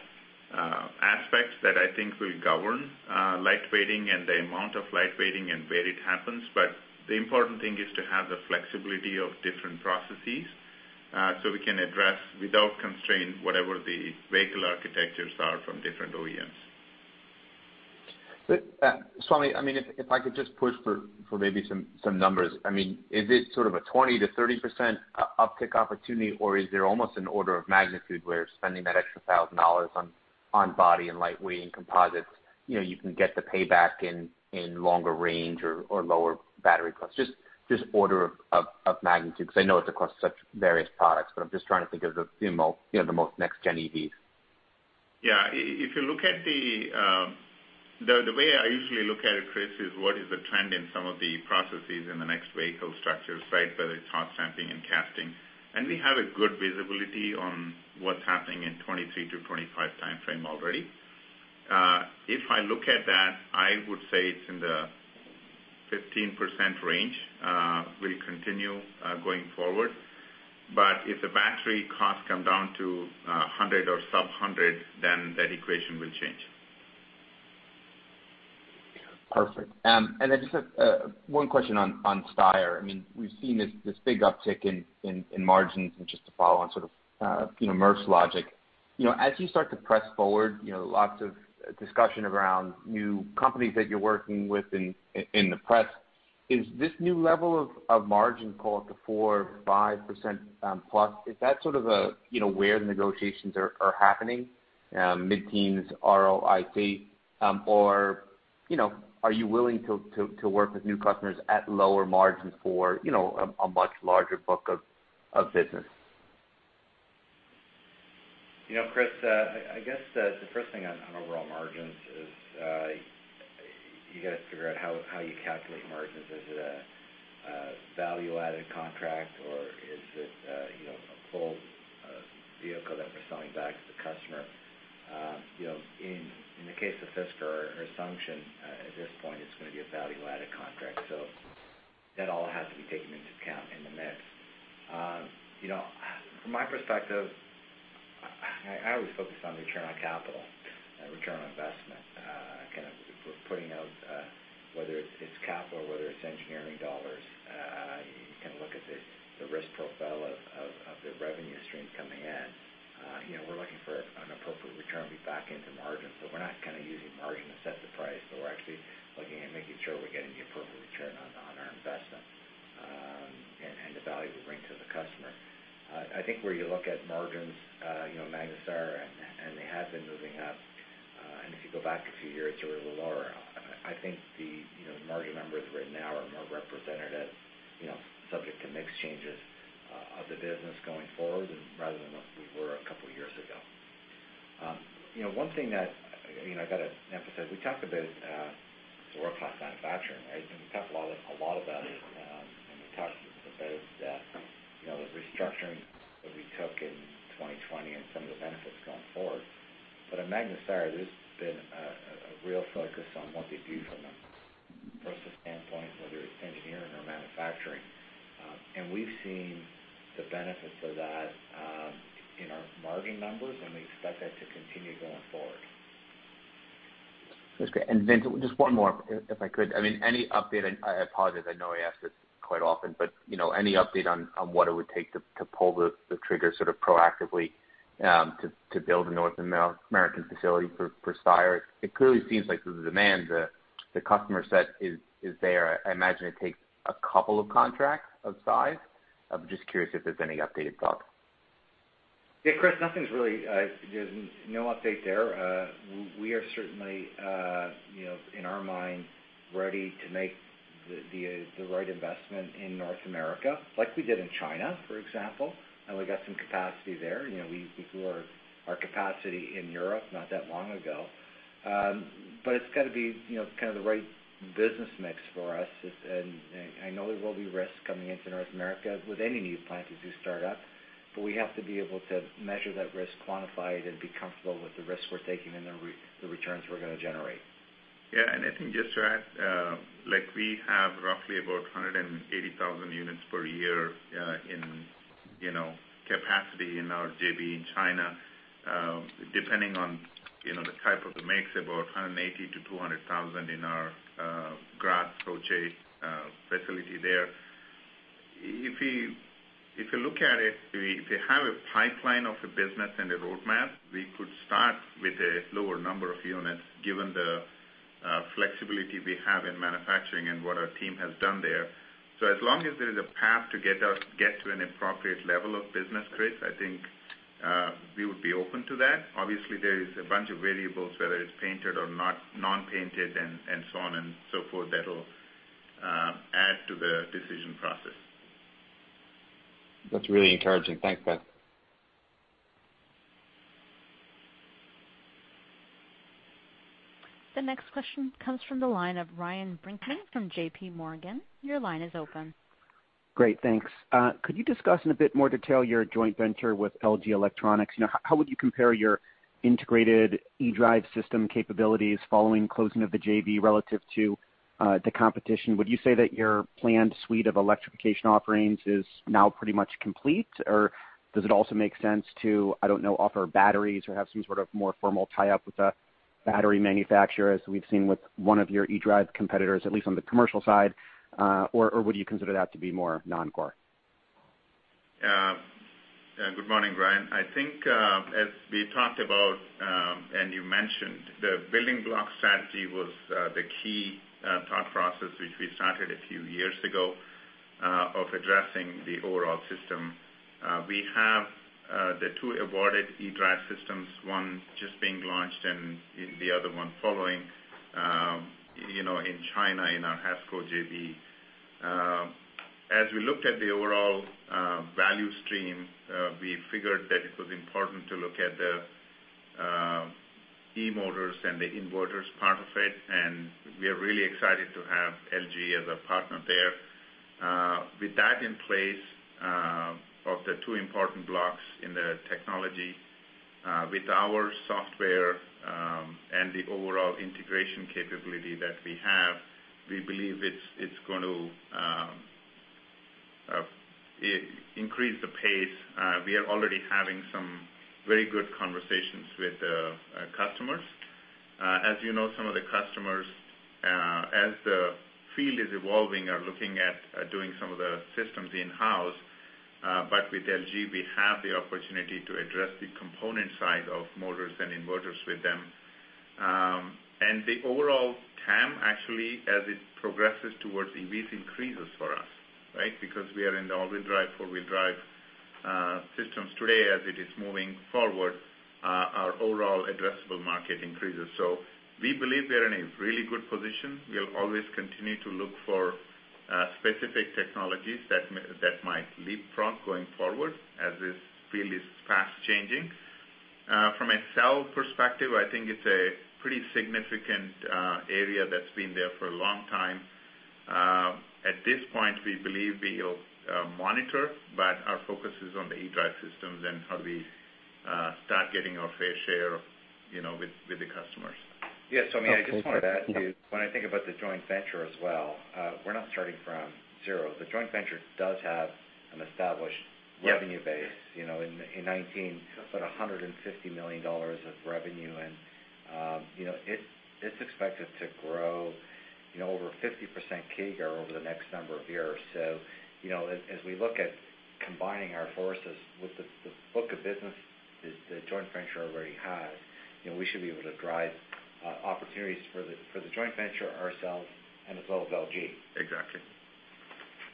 aspects that I think will govern lightweighting and the amount of lightweighting and where it happens. The important thing is to have the flexibility of different processes so we can address without constraint whatever the vehicle architectures are from different OEMs. Swamy, I mean, if I could just push for maybe some numbers, I mean, is it sort of a 20%-30% uptick opportunity, or is there almost an order of magnitude where spending that extra $1,000 on body and lightweighting composites, you can get the payback in longer range or lower battery costs? Just order of magnitude, because I know it's across such various products, but I'm just trying to think of the most next-gen EVs. Yeah. If you look at the way I usually look at it, Chris, is what is the trend in some of the processes in the next vehicle structures, right, whether it's hot stamping and casting. We have a good visibility on what's happening in the 2023 to 2025 timeframe already. If I look at that, I would say it's in the 15% range. We'll continue going forward. If the battery costs come down to $100 or sub-$100, then that equation will change. Perfect. Just one question on Styrer. I mean, we've seen this big uptick in margins, and just to follow on sort of Mercer Logic, as you start to press forward, lots of discussion around new companies that you're working with in the press. Is this new level of margin called the 4%-5%+? Is that sort of where the negotiations are happening, mid-teens, ROIC? Or are you willing to work with new customers at lower margins for a much larger book of business? Chris, I guess the first thing on overall margins is you got to figure out how you calculate margins. Is it a value-added contract, or is it a full vehicle that we're selling back to the customer? In the case of Fisker, our assumption at this point is it's going to be a value-added contract. That all has to be taken into account in the mix. From my perspective, I always focus on return on capital, return on investment. Kind of putting out whether it's capital or whether it's engineering dollars, you can look at the risk profile of the revenue stream coming in. We're looking for an appropriate return to be back into margins. We're not kind of using margin to set the price, but we're actually looking at making sure we're getting the appropriate return on our investment and the value we bring to the customer. I think where you look at margins, Magna Steyr, and they have been moving up. If you go back a few years, they were lower. I think the margin numbers right now are more representative, subject to mix changes of the business going forward rather than what we were a couple of years ago. One thing that I got to emphasize, we talked about world-class manufacturing, right? We talked a lot about it. We talked about the restructuring that we took in 2020 and some of the benefits going forward. At Magna Steyr, there's been a real focus on what they do from a process standpoint, whether it's engineering or manufacturing. We've seen the benefits of that in our margin numbers, and we expect that to continue going forward. That's great. Vince, just one more, if I could. I mean, any update—I apologize. I know I ask this quite often—but any update on what it would take to pull the trigger sort of proactively to build a North American facility for Styrer? It clearly seems like the demand, the customer set, is there. I imagine it takes a couple of contracts of size. I'm just curious if there's any updated thoughts. Yeah, Chris, nothing's really—there's no update there. We are certainly, in our mind, ready to make the right investment in North America, like we did in China, for example. We got some capacity there. We grew our capacity in Europe not that long ago. It has to be kind of the right business mix for us. I know there will be risks coming into North America with any new plant as we start up. We have to be able to measure that risk, quantify it, and be comfortable with the risks we're taking and the returns we're going to generate. Yeah. I think just to add, we have roughly about 180,000 units per year in capacity in our JV in China. Depending on the type of the mix, about 180,000-200,000 in our Graz, Cochet facility there. If you look at it, if you have a pipeline of a business and a roadmap, we could start with a lower number of units given the flexibility we have in manufacturing and what our team has done there. As long as there is a path to get to an appropriate level of business, Chris, I think we would be open to that. Obviously, there is a bunch of variables, whether it's painted or not, non-painted, and so on and so forth, that'll add to the decision process. That's really encouraging. Thanks, guys. The next question comes from the line of Ryan Brinkman from JPMorgan. Your line is open. Great. Thanks. Could you discuss in a bit more detail your joint venture with LG Electronics? How would you compare your integrated eDrive system capabilities following closing of the JV relative to the competition? Would you say that your planned suite of electrification offerings is now pretty much complete? Or does it also make sense to, I don't know, offer batteries or have some sort of more formal tie-up with a battery manufacturer as we've seen with one of your eDrive competitors, at least on the commercial side? Or would you consider that to be more non-core? Yeah. Good morning, Ryan. I think as we talked about and you mentioned, the building block strategy was the key thought process which we started a few years ago of addressing the overall system. We have the two awarded eDrive systems, one just being launched and the other one following in China in our Hasco JV. As we looked at the overall value stream, we figured that it was important to look at the eMotors and the inverters part of it. We are really excited to have LG as a partner there. With that in place of the two important blocks in the technology, with our software and the overall integration capability that we have, we believe it's going to increase the pace. We are already having some very good conversations with the customers. As you know, some of the customers, as the field is evolving, are looking at doing some of the systems in-house. With LG, we have the opportunity to address the component side of motors and inverters with them. The overall TAM, actually, as it progresses towards EVs, increases for us, right? Because we are in the all-wheel drive, four-wheel drive systems today, as it is moving forward, our overall addressable market increases. We believe we are in a really good position. We'll always continue to look for specific technologies that might leapfrog going forward as this field is fast changing. From a sell perspective, I think it's a pretty significant area that's been there for a long time. At this point, we believe we'll monitor, but our focus is on the eDrive systems and how do we start getting our fair share with the customers. Yeah. I mean, I just wanted to add to when I think about the joint venture as well, we're not starting from zero. The joint venture does have an established revenue base in 2019, about $150 million of revenue. It's expected to grow over 50% CAGR over the next number of years. As we look at combining our forces with the book of business that the joint venture already has, we should be able to drive opportunities for the joint venture ourselves as well as LG. Exactly.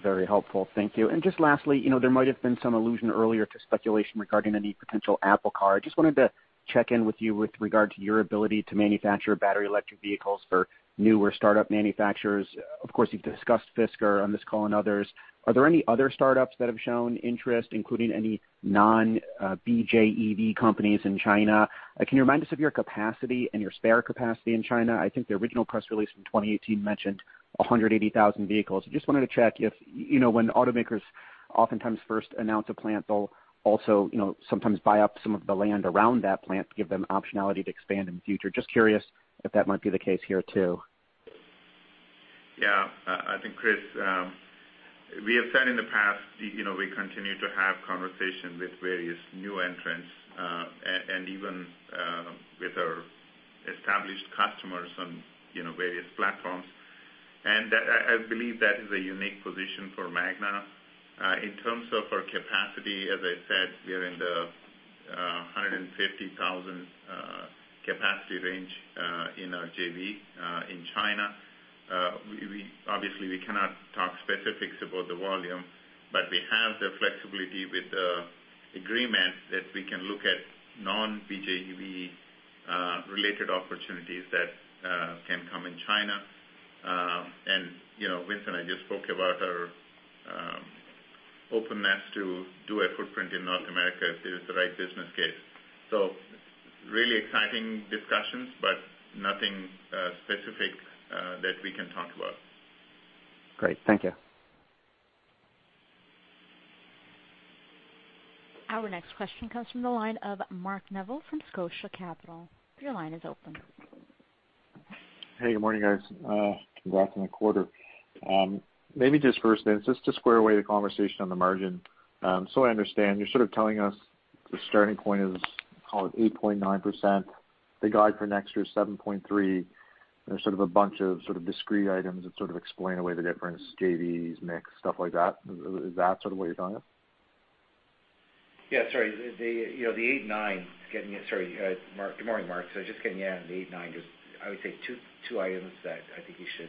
Very helpful. Thank you. Just lastly, there might have been some allusion earlier to speculation regarding any potential Apple Car. I just wanted to check in with you with regard to your ability to manufacture battery electric vehicles for new or startup manufacturers. Of course, you've discussed Fisker on this call and others. Are there any other startups that have shown interest, including any non-BJEV companies in China? Can you remind us of your capacity and your spare capacity in China? I think the original press release from 2018 mentioned 180,000 vehicles. I just wanted to check if when automakers oftentimes first announce a plant, they'll also sometimes buy up some of the land around that plant to give them optionality to expand in the future. Just curious if that might be the case here too. Yeah. I think, Chris, we have said in the past we continue to have conversation with various new entrants and even with our established customers on various platforms. I believe that is a unique position for Magna in terms of our capacity. As I said, we are in the 150,000 capacity range in our JV in China. Obviously, we cannot talk specifics about the volume, but we have the flexibility with the agreement that we can look at non-BJEV related opportunities that can come in China. Vincent, I just spoke about our openness to do a footprint in North America if there is the right business case. Really exciting discussions, but nothing specific that we can talk about. Great. Thank you. Our next question comes from the line of Mark Neville from Scotia Capital. Your line is open. Hey, good morning, guys. Congrats on the quarter. Maybe just first, Vince, just to square away the conversation on the margin, so I understand you're sort of telling us the starting point is, call it 8.9%. The guide for next year is 7.3%. There's sort of a bunch of sort of discrete items that sort of explain away the difference: JVs, mix, stuff like that. Is that sort of what you're telling us? Yeah. Sorry. The 8.9 is getting—sorry. Good morning, Mark. Just getting you out of the 8.9, I would say two items that I think you should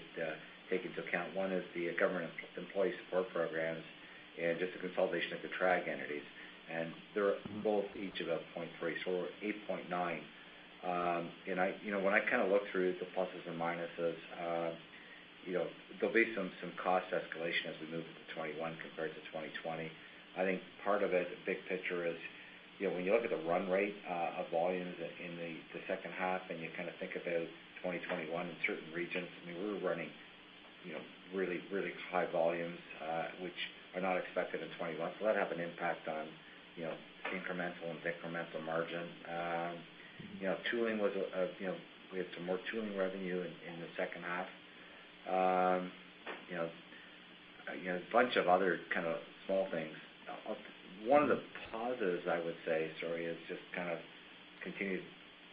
take into account. One is the government employee support programs and just the consolidation of the TRAG entities. They are both each about 0.3. We are 8.9. When I kind of look through the pluses and minuses, there will be some cost escalation as we move into 2021 compared to 2020. I think part of it, the big picture, is when you look at the run rate of volumes in the second half and you kind of think about 2021 in certain regions, I mean, we were running really, really high volumes, which are not expected in 2021. That will have an impact on incremental and decremental margin. Tooling was a—we had some more tooling revenue in the second half. A bunch of other kind of small things. One of the positives, I would say, sorry, is just kind of continued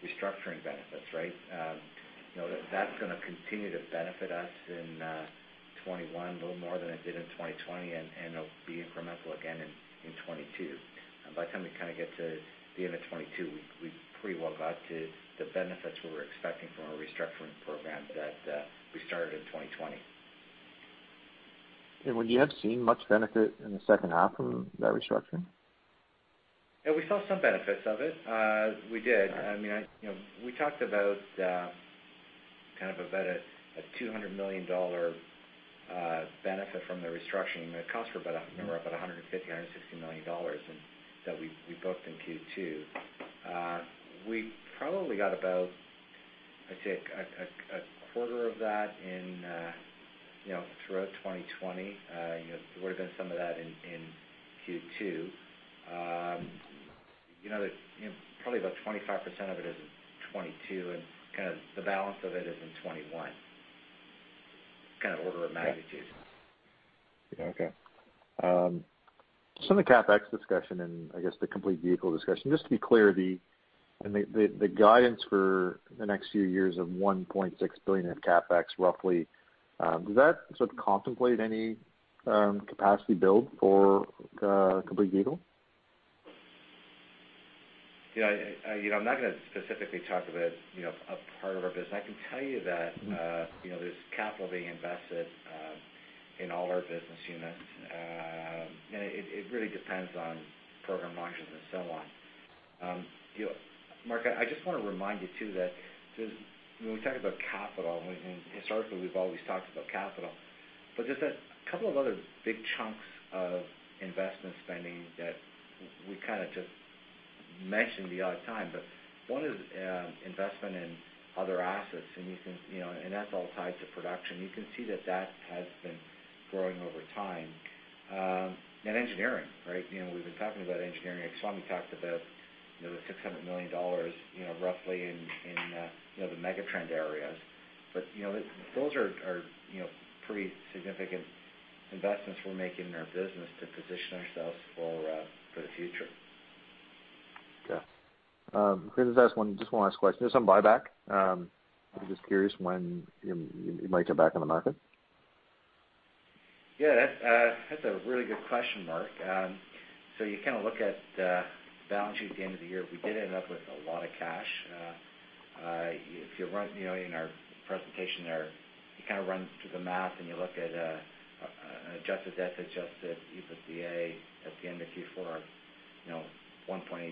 restructuring benefits, right? That's going to continue to benefit us in 2021 a little more than it did in 2020, and it'll be incremental again in 2022. By the time we kind of get to the end of 2022, we've pretty well got to the benefits we were expecting from our restructuring program that we started in 2020. Would you have seen much benefit in the second half from that restructuring? Yeah. We saw some benefits of it. We did. I mean, we talked about kind of about a $200 million benefit from the restructuring. It costs for about $150-$160 million that we booked in Q2. We probably got about, I'd say, a quarter of that throughout 2020. There would have been some of that in Q2. Probably about 25% of it is in 2022, and kind of the balance of it is in 2021, kind of order of magnitude. Yeah. Okay. Just on the CapEx discussion and, I guess, the complete vehicle discussion, just to be clear, the guidance for the next few years of $1.6 billion of CapEx roughly, does that sort of contemplate any capacity build for complete vehicle? Yeah. I'm not going to specifically talk about a part of our business. I can tell you that there's capital being invested in all our business units. It really depends on program launches and so on. Mark, I just want to remind you too that when we talk about capital, historically, we've always talked about capital. There are a couple of other big chunks of investment spending that we kind of just mentioned the other time. One is investment in other assets. That is all tied to production. You can see that that has been growing over time. Engineering, right? We've been talking about engineering. I saw him talk about the $600 million roughly in the Megatrend areas. Those are pretty significant investments we're making in our business to position ourselves for the future. Yeah. Chris, I just have one last question. There's some buyback. I'm just curious when you might get back on the market. Yeah. That's a really good question, Mark. You kind of look at the balance sheet at the end of the year. We did end up with a lot of cash. If you run in our presentation there, you kind of run through the math and you look at adjusted debt, adjusted EBITDA at the end of Q4 of 1.86.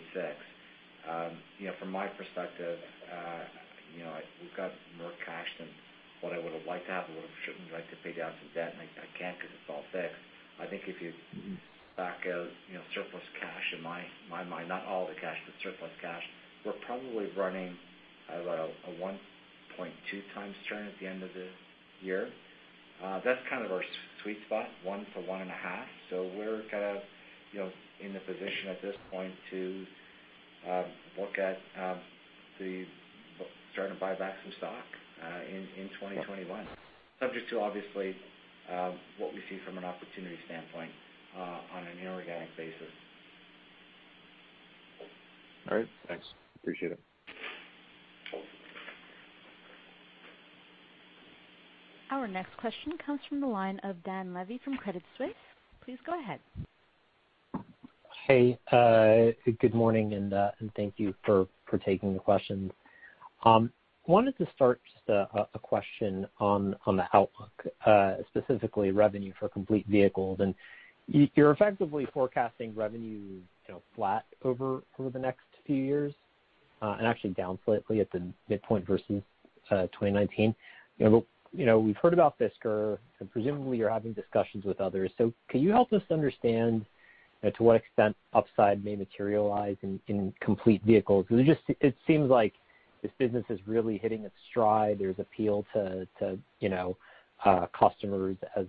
From my perspective, we've got more cash than what I would have liked to have. I would have certainly liked to pay down some debt, and I can't because it's all fixed. I think if you back out surplus cash in my mind, not all the cash, but surplus cash, we're probably running about a 1.2 times turn at the end of the year. That's kind of our sweet spot, one to one and a half. We're kind of in the position at this point to look at starting to buy back some stock in 2021, subject to, obviously, what we see from an opportunity standpoint on an inorganic basis. All right. Thanks. Appreciate it. Our next question comes from the line of Dan Levy from Credit Suisse. Please go ahead. Hey. Good morning, and thank you for taking the questions. Wanted to start just a question on the outlook, specifically revenue for complete vehicles. You're effectively forecasting revenue flat over the next few years and actually down slightly at the midpoint versus 2019. We've heard about Fisker, and presumably, you're having discussions with others. Can you help us understand to what extent upside may materialize in complete vehicles? It seems like this business is really hitting its stride. There's appeal to customers as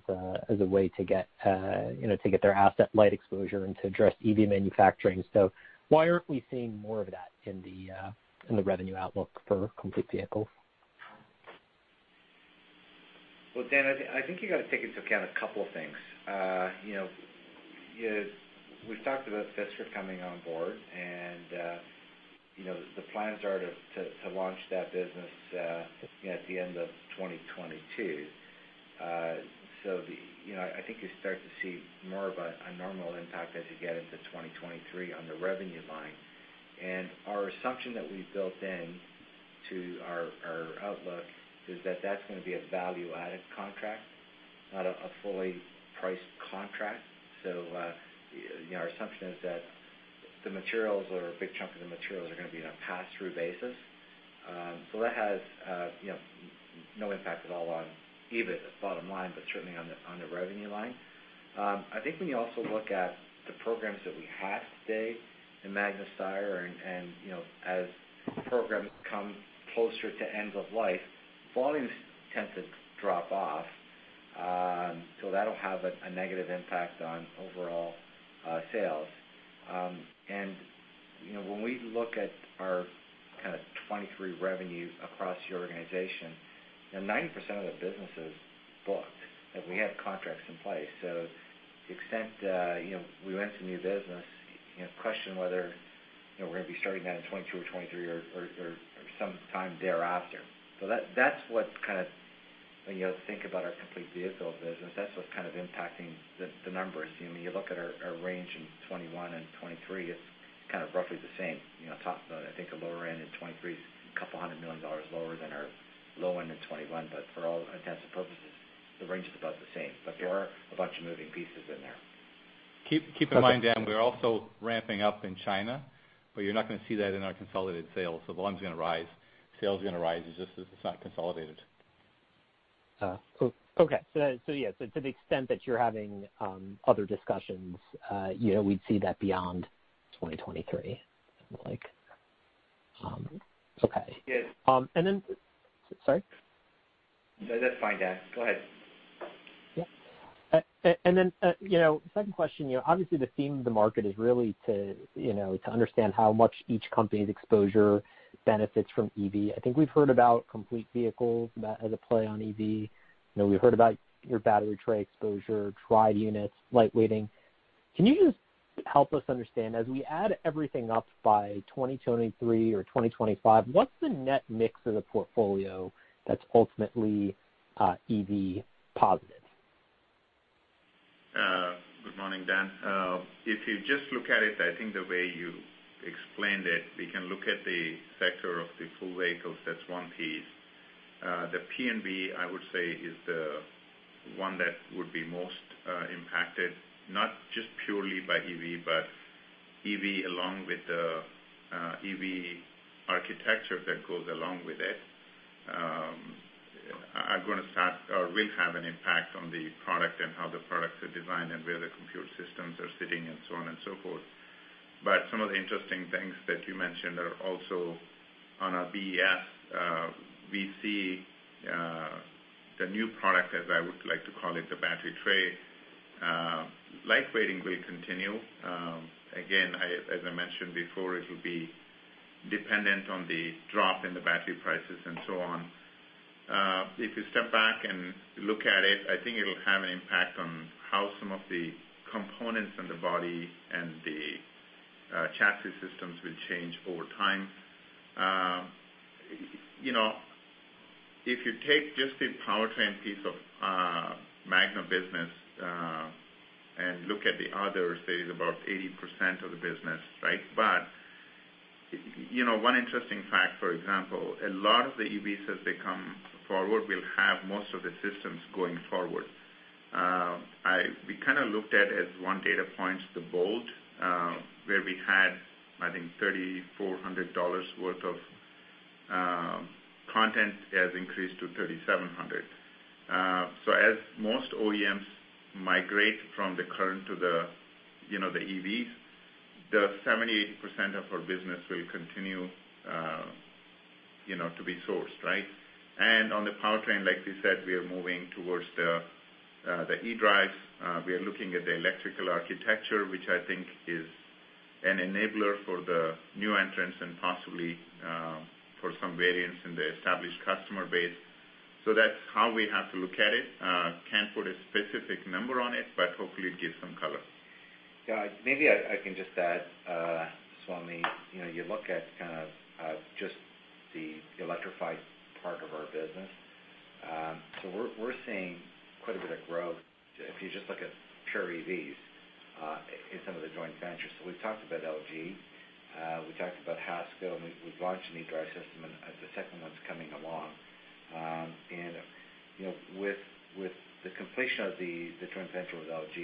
a way to get their asset light exposure and to address EV manufacturing. Why aren't we seeing more of that in the revenue outlook for complete vehicles? Dan, I think you got to take into account a couple of things. We've talked about Fisker coming on board, and the plans are to launch that business at the end of 2022. I think you start to see more of a normal impact as you get into 2023 on the revenue line. Our assumption that we've built into our outlook is that that's going to be a value-added contract, not a fully priced contract. Our assumption is that the materials or a big chunk of the materials are going to be on a pass-through basis. That has no impact at all on EBIT, bottom line, but certainly on the revenue line. I think when you also look at the programs that we have today in MagnaStar, and as programs come closer to end of life, volumes tend to drop off. That will have a negative impact on overall sales. When we look at our kind of 2023 revenue across the organization, 90% of the business is booked that we have contracts in place. To the extent we went to new business, question whether we are going to be starting that in 2022 or 2023 or sometime thereafter. That is what, when you think about our complete vehicle business, is kind of impacting the numbers. You look at our range in 2021 and 2023, it is kind of roughly the same. I think the lower end in 2023 is a couple hundred million dollars lower than our low end in 2021. For all intents and purposes, the range is about the same. There are a bunch of moving pieces in there. Keep in mind, Dan, we're also ramping up in China, but you're not going to see that in our consolidated sales. Volume's going to rise. Sales are going to rise just if it's not consolidated. Okay. Yeah. To the extent that you're having other discussions, we'd see that beyond 2023, it sounds like. Okay. And then. Yes. Sorry? That's fine, Dan. Go ahead. Yeah. And then second question, obviously, the theme of the market is really to understand how much each company's exposure benefits from EV. I think we've heard about complete vehicles as a play on EV. We've heard about your battery tray exposure, TRAG units, lightweighting. Can you just help us understand, as we add everything up by 2023 or 2025, what's the net mix of the portfolio that's ultimately EV positive? Good morning, Dan. If you just look at it, I think the way you explained it, we can look at the sector of the full vehicles. That's one piece. The P&V, I would say, is the one that would be most impacted, not just purely by EV, but EV along with the EV architecture that goes along with it. I'm going to start or will have an impact on the product and how the products are designed and where the computer systems are sitting and so on and so forth. Some of the interesting things that you mentioned are also on our BES. We see the new product, as I would like to call it, the battery tray. Lightweighting will continue. Again, as I mentioned before, it will be dependent on the drop in the battery prices and so on. If you step back and look at it, I think it'll have an impact on how some of the components and the body and the chassis systems will change over time. If you take just the powertrain piece of Magna business and look at the others, there is about 80% of the business, right? One interesting fact, for example, a lot of the EVs as they come forward will have most of the systems going forward. We kind of looked at, as one data point, the Bolt, where we had, I think, $3,400 worth of content has increased to $3,700. As most OEMs migrate from the current to the EVs, the 70%-80% of our business will continue to be sourced, right? On the powertrain, like we said, we are moving towards the eDrives. We are looking at the electrical architecture, which I think is an enabler for the new entrants and possibly for some variants in the established customer base. That is how we have to look at it. Cannot put a specific number on it, but hopefully, it gives some color. Maybe I can just add, Swamy, you look at kind of just the electrified part of our business. We are seeing quite a bit of growth if you just look at pure EVs in some of the joint ventures. We have talked about LG. We talked about Hasco. We have launched an eDrive system, and the second one is coming along. With the completion of the joint venture with LG,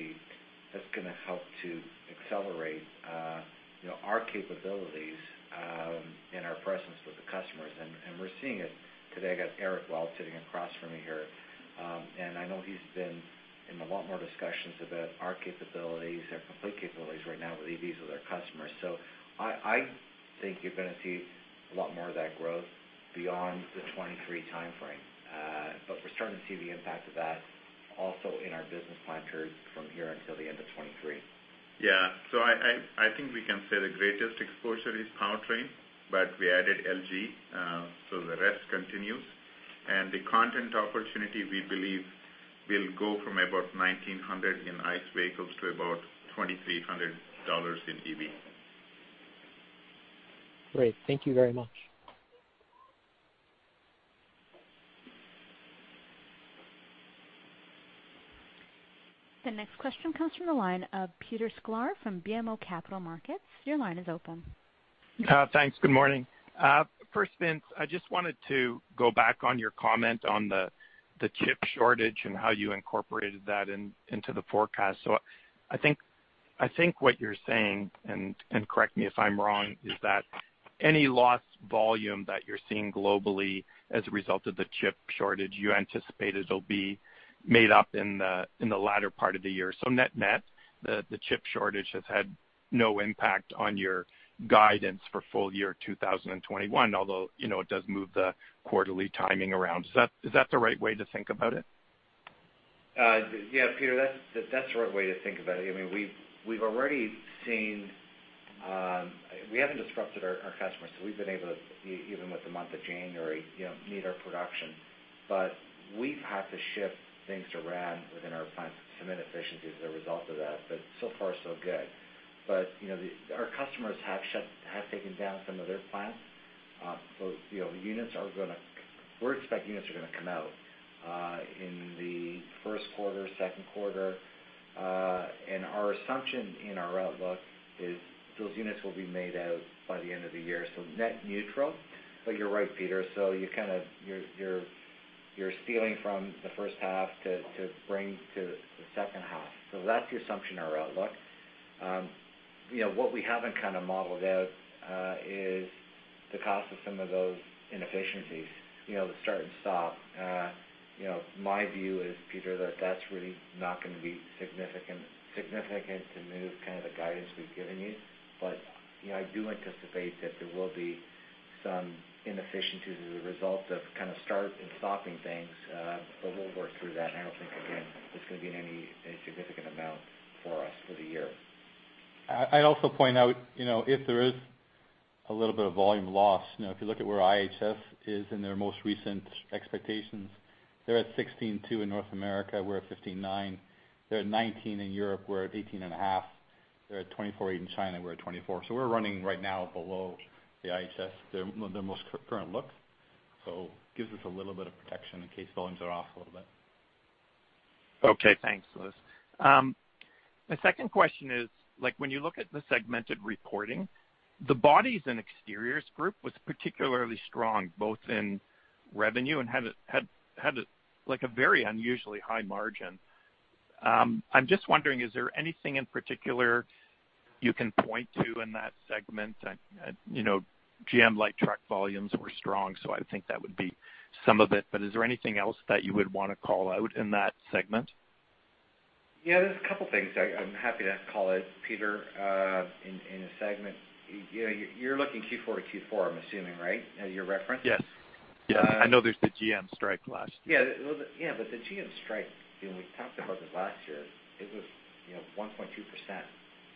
that is going to help to accelerate our capabilities and our presence with the customers. We are seeing it today. I have got Eric Walt sitting across from me here. I know he has been in a lot more discussions about our capabilities, our complete capabilities right now with EVs with our customers. I think you are going to see a lot more of that growth beyond the 2023 timeframe. We are starting to see the impact of that also in our business plan period from here until the end of 2023. Yeah. I think we can say the greatest exposure is powertrain, but we added LG. The rest continues. The content opportunity, we believe, will go from about $1,900 in ICE vehicles to about $2,300 in EV. Great. Thank you very much. The next question comes from the line of Peter Sklar from BMO Capital Markets. Your line is open. Thanks. Good morning. First, Vince, I just wanted to go back on your comment on the chip shortage and how you incorporated that into the forecast. I think what you're saying, and correct me if I'm wrong, is that any lost volume that you're seeing globally as a result of the chip shortage, you anticipate it'll be made up in the latter part of the year. Net-net, the chip shortage has had no impact on your guidance for full year 2021, although it does move the quarterly timing around. Is that the right way to think about it? Yeah, Peter, that's the right way to think about it. I mean, we've already seen we haven't disrupted our customers. We've been able to, even with the month of January, meet our production. We've had to shift things around within our plants to submit efficiencies as a result of that. So far, so good. Our customers have taken down some of their plants. Units are going to, we're expecting units are going to come out in the first quarter, second quarter. Our assumption in our outlook is those units will be made out by the end of the year. Net neutral. You're right, Peter. You're stealing from the first half to bring to the second half. That's the assumption in our outlook. What we haven't kind of modeled out is the cost of some of those inefficiencies, the start and stop. My view is, Peter, that that's really not going to be significant to move kind of the guidance we've given you. I do anticipate that there will be some inefficiencies as a result of kind of start and stopping things. We'll work through that. I don't think, again, it's going to be in any significant amount for us for the year. I'd also point out, if there is a little bit of volume loss, if you look at where IHS is in their most recent expectations, they're at 16.2 in North America. We're at 15.9. They're at 19 in Europe. We're at 18.5. They're at 24.8 in China. We're at 24. Right now we are running below the IHS, their most current look. It gives us a little bit of protection in case volumes are off a little bit. Okay. Thanks, Louis. My second question is, when you look at the segmented reporting, the bodies and exteriors group was particularly strong both in revenue and had a very unusually high margin. I'm just wondering, is there anything in particular you can point to in that segment? GM light truck volumes were strong, so I think that would be some of it. Is there anything else that you would want to call out in that segment? Yeah. There's a couple of things. I'm happy to call it, Peter, in a segment. You're looking Q4 to Q4, I'm assuming, right, as your reference? Yes. Yeah. I know there's the GM strike last year. Yeah. Yeah. The GM strike, when we talked about it last year, it was 1.2%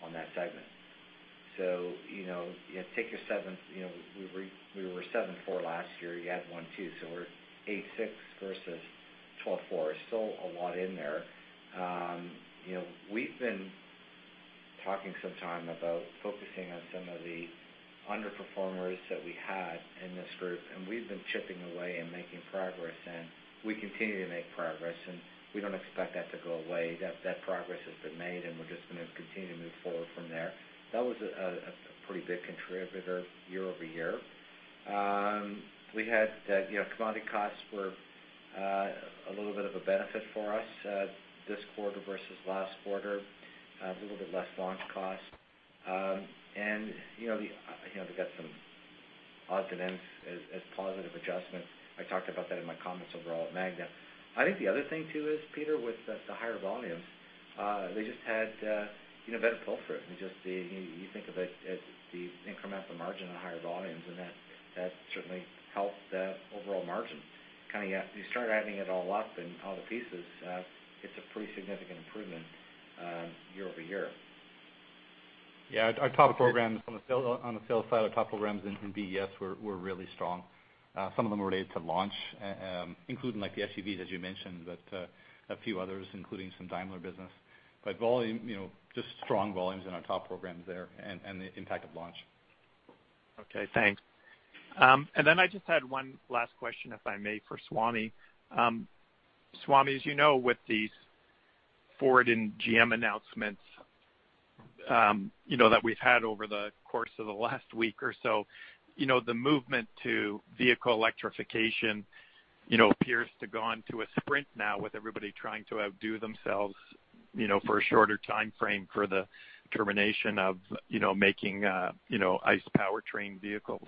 on that segment. Take your seventh. We were 7.4 last year. You had 1.2. We are 8.6 versus 12.4. There is still a lot in there. We have been talking some time about focusing on some of the underperformers that we had in this group. We have been chipping away and making progress. We continue to make progress. We do not expect that to go away. That progress has been made, and we are just going to continue to move forward from there. That was a pretty big contributor year over year. We had commodity costs that were a little bit of a benefit for us this quarter versus last quarter, a little bit less launch cost. We got some odds and ends as positive adjustments. I talked about that in my comments overall at Magna. I think the other thing too is, Peter, with the higher volumes, they just had better pull-through. You think of it as the incremental margin on higher volumes, and that certainly helped the overall margin. Kind of you start adding it all up in all the pieces, it's a pretty significant improvement year over year. Yeah. Our top programs on the sales side of top programs in BES were really strong. Some of them were related to launch, including the SUVs, as you mentioned, a few others, including some Daimler business. Just strong volumes in our top programs there and the impact of launch. Okay. Thanks. I just had one last question, if I may, for Swamy. Swamy, as you know, with these Ford and GM announcements that we've had over the course of the last week or so, the movement to vehicle electrification appears to go on to a sprint now with everybody trying to outdo themselves for a shorter timeframe for the termination of making ICE powertrain vehicles.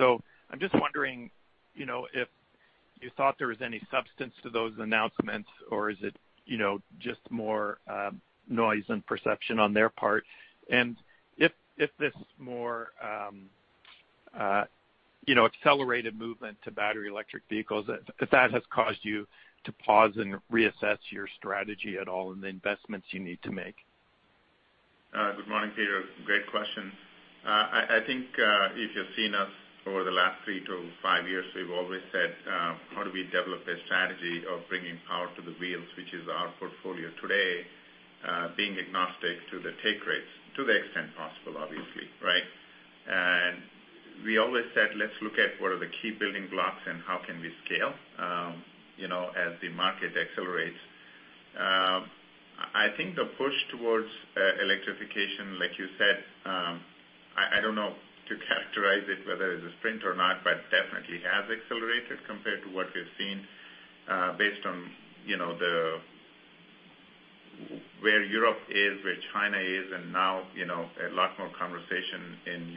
I am just wondering if you thought there was any substance to those announcements, or is it just more noise and perception on their part? If this more accelerated movement to battery electric vehicles, if that has caused you to pause and reassess your strategy at all and the investments you need to make? Good morning, Peter. Great question. I think if you've seen us over the last three to five years, we've always said, "How do we develop a strategy of bringing power to the wheels, which is our portfolio today, being agnostic to the take rates, to the extent possible, obviously, right?" We always said, "Let's look at what are the key building blocks and how can we scale as the market accelerates." I think the push towards electrification, like you said, I don't know to characterize it whether it's a sprint or not, but definitely has accelerated compared to what we've seen based on where Europe is, where China is, and now a lot more conversation in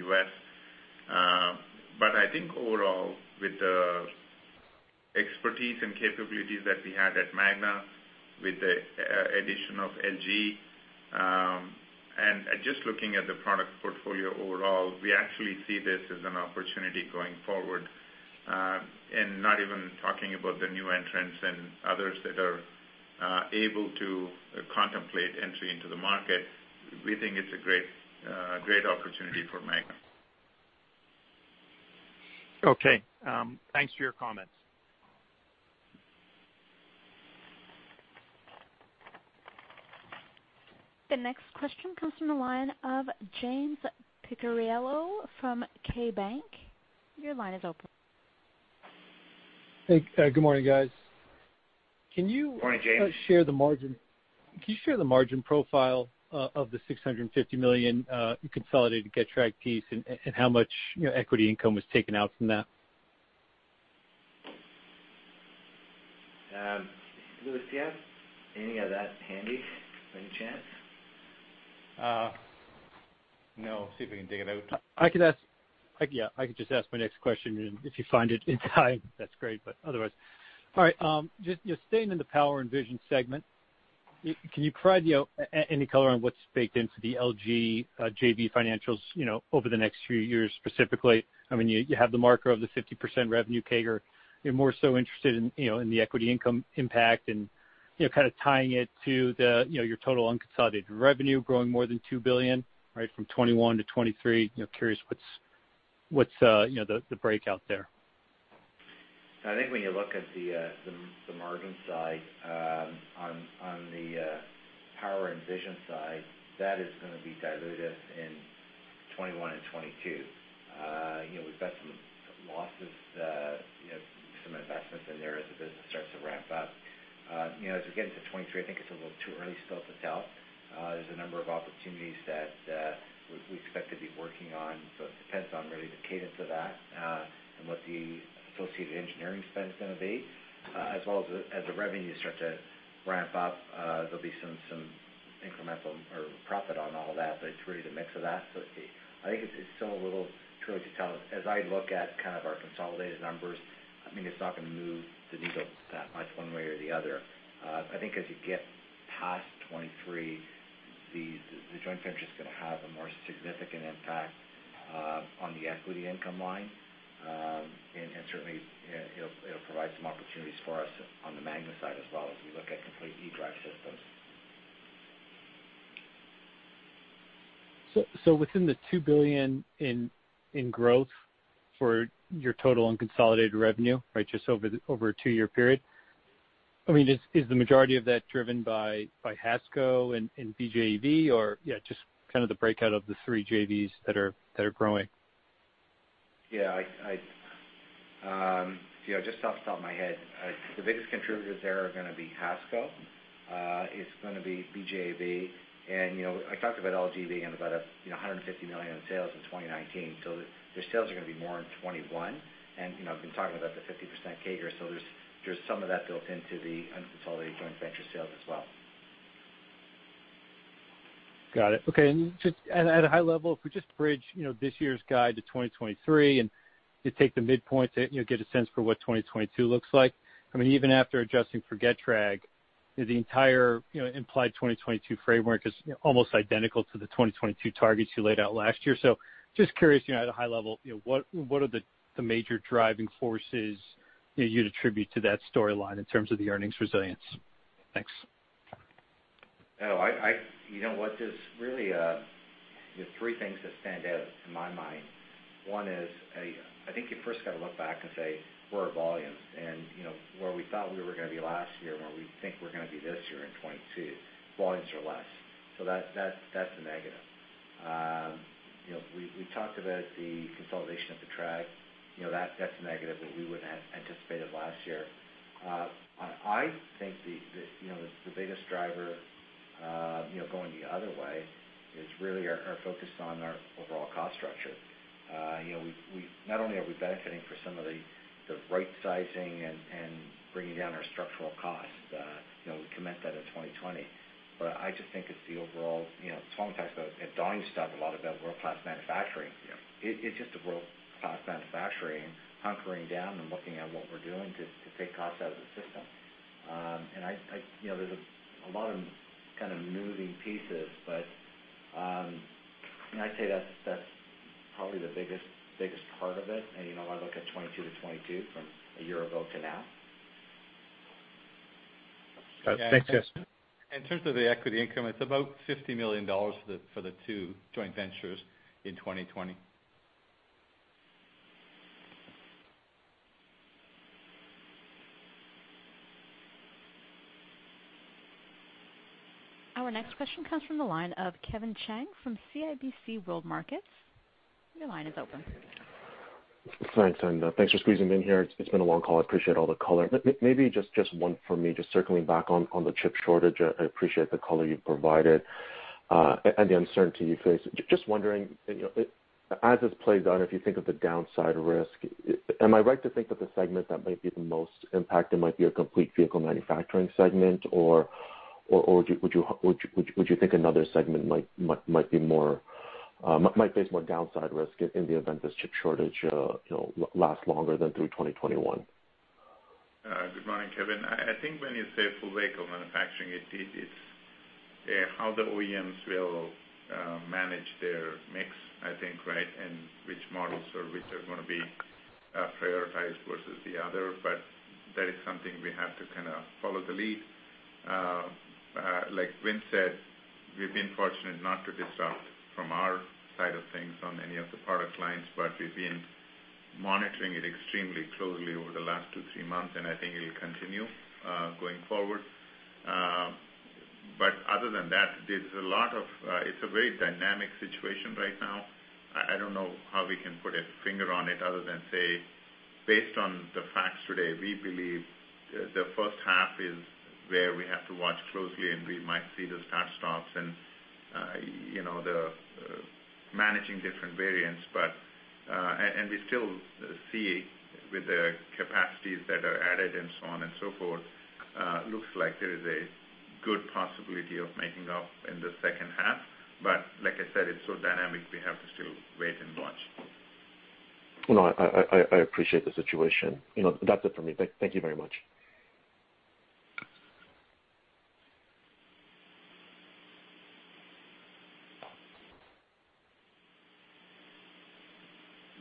the U.S. I think overall, with the expertise and capabilities that we had at Magna with the addition of LG, and just looking at the product portfolio overall, we actually see this as an opportunity going forward. Not even talking about the new entrants and others that are able to contemplate entry into the market, we think it's a great opportunity for Magna. Okay. Thanks for your comments. The next question comes from the line of James Picariello from Kbank. Your line is open. Hey. Good morning, guys. Can you share the margin? Good morning, James. Can you share the margin profile of the $650 million consolidated Getrag piece and how much equity income was taken out from that? Lewis, do you have any of that handy by any chance? No. See if I can dig it out. Yeah. I could just ask my next question. If you find it in time, that's great. Otherwise, all right. Just staying in the power and vision segment, can you provide any color on what's baked into the LG JV financials over the next few years specifically? I mean, you have the marker of the 50% revenue CAGR. I'm more so interested in the equity income impact and kind of tying it to your total unconsolidated revenue growing more than $2 billion, right, from 2021 to 2023. Curious what's the breakout there. I think when you look at the margin side on the power and vision side, that is going to be diluted in 2021 and 2022. We've got some losses, some investments in there as the business starts to ramp up. As we get into 2023, I think it's a little too early still to tell. There's a number of opportunities that we expect to be working on. It depends on really the cadence of that and what the associated engineering spend is going to be. As well as the revenues start to ramp up, there'll be some incremental profit on all that. It's really the mix of that. I think it's still a little tricky to tell. As I look at kind of our consolidated numbers, I mean, it's not going to move the needle that much one way or the other. I think as you get past 2023, the joint venture is going to have a more significant impact on the equity income line. Certainly, it'll provide some opportunities for us on the Magna side as well as we look at complete eDrive systems. Within the $2 billion in growth for your total unconsolidated revenue, right, just over a two-year period, I mean, is the majority of that driven by Hasco and BJEV or, yeah, just kind of the breakout of the three JVs that are growing? Yeah. See, just off the top of my head, the biggest contributors there are going to be Hasco. It's going to be BJEV. I talked about LGV and about $150 million in sales in 2019. Their sales are going to be more in 2021. I have been talking about the 50% CAGR. There is some of that built into the unconsolidated joint venture sales as well. Got it. Okay. At a high level, if we just bridge this year's guide to 2023 and just take the midpoint to get a sense for what 2022 looks like, I mean, even after adjusting for Getrag, the entire implied 2022 framework is almost identical to the 2022 targets you laid out last year. Just curious, at a high level, what are the major driving forces you'd attribute to that storyline in terms of the earnings resilience? Thanks. Oh, you know what? There's really three things that stand out to my mind. One is, I think you first got to look back and say, "Where are volumes?" And where we thought we were going to be last year, where we think we're going to be this year in 2022, volumes are less. That's a negative. We talked about the consolidation of the track. That's a negative that we wouldn't have anticipated last year. I think the biggest driver going the other way is really our focus on our overall cost structure. Not only are we benefiting for some of the right-sizing and bringing down our structural costs, we commented that in 2020. I just think it's the overall—Swamy talks about it. Daimler's talked a lot about world-class manufacturing. It's just the world-class manufacturing hunkering down and looking at what we're doing to take costs out of the system. There are a lot of kind of moving pieces. I'd say that's probably the biggest part of it. I look at 2022-22 from a year ago to now. Thanks, Vince. In terms of the equity income, it's about $50 million for the two joint ventures in 2020. Our next question comes from the line of Kevin Chang from CIBC World Markets. Your line is open. Thanks, Linda. Thanks for squeezing in here. It's been a long call. I appreciate all the color. Maybe just one for me, just circling back on the chip shortage. I appreciate the color you've provided and the uncertainty you face. Just wondering, as this plays out, if you think of the downside risk, am I right to think that the segment that might be the most impacted might be a complete vehicle manufacturing segment, or would you think another segment might face more downside risk in the event this chip shortage lasts longer than through 2021? Good morning, Kevin. I think when you say full vehicle manufacturing, it's how the OEMs will manage their mix, I think, right, and which models are going to be prioritized versus the other. That is something we have to kind of follow the lead. Like Winn said, we've been fortunate not to distract from our side of things on any of the product lines, but we've been monitoring it extremely closely over the last two, three months, and I think it'll continue going forward. Other than that, it's a very dynamic situation right now. I don't know how we can put a finger on it other than say, based on the facts today, we believe the first half is where we have to watch closely, and we might see the start-stops and the managing different variants. We still see with the capacities that are added and so on and so forth, looks like there is a good possibility of making up in the second half. Like I said, it's so dynamic, we have to still wait and watch. I appreciate the situation. That's it for me. Thank you very much.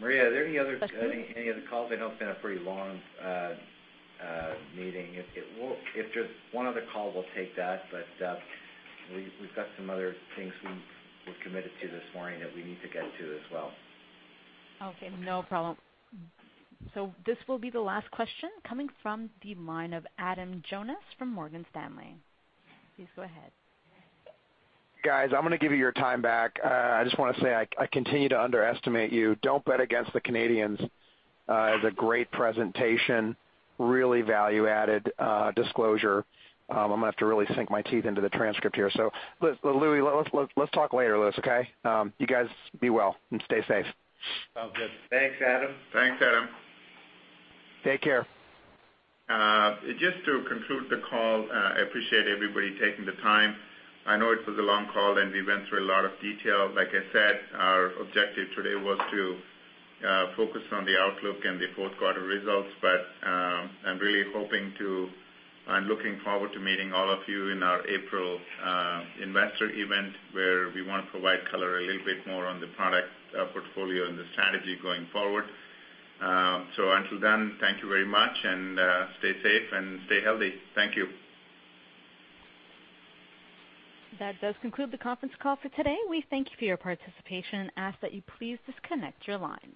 Maria, are there any other calls? I know it's been a pretty long meeting. If there's one other call, we'll take that. We have some other things we've committed to this morning that we need to get to as well. Okay. No problem. This will be the last question coming from the line of Adam Jonas from Morgan Stanley. Please go ahead. Guys, I'm going to give you your time back. I just want to say I continue to underestimate you. Don't bet against the Canadians. It's a great presentation, really value-added disclosure. I'm going to have to really sink my teeth into the transcript here. Louis, let's talk later, Louis, okay? You guys be well and stay safe. Sounds good. Thanks, Adam. Thanks, Adam. Take care. Just to conclude the call, I appreciate everybody taking the time. I know it was a long call, and we went through a lot of detail. Like I said, our objective today was to focus on the outlook and the fourth-quarter results. I am really hoping to—I am looking forward to meeting all of you in our April investor event where we want to provide color a little bit more on the product portfolio and the strategy going forward. Until then, thank you very much, and stay safe and stay healthy. Thank you. That does conclude the conference call for today. We thank you for your participation and ask that you please disconnect your line.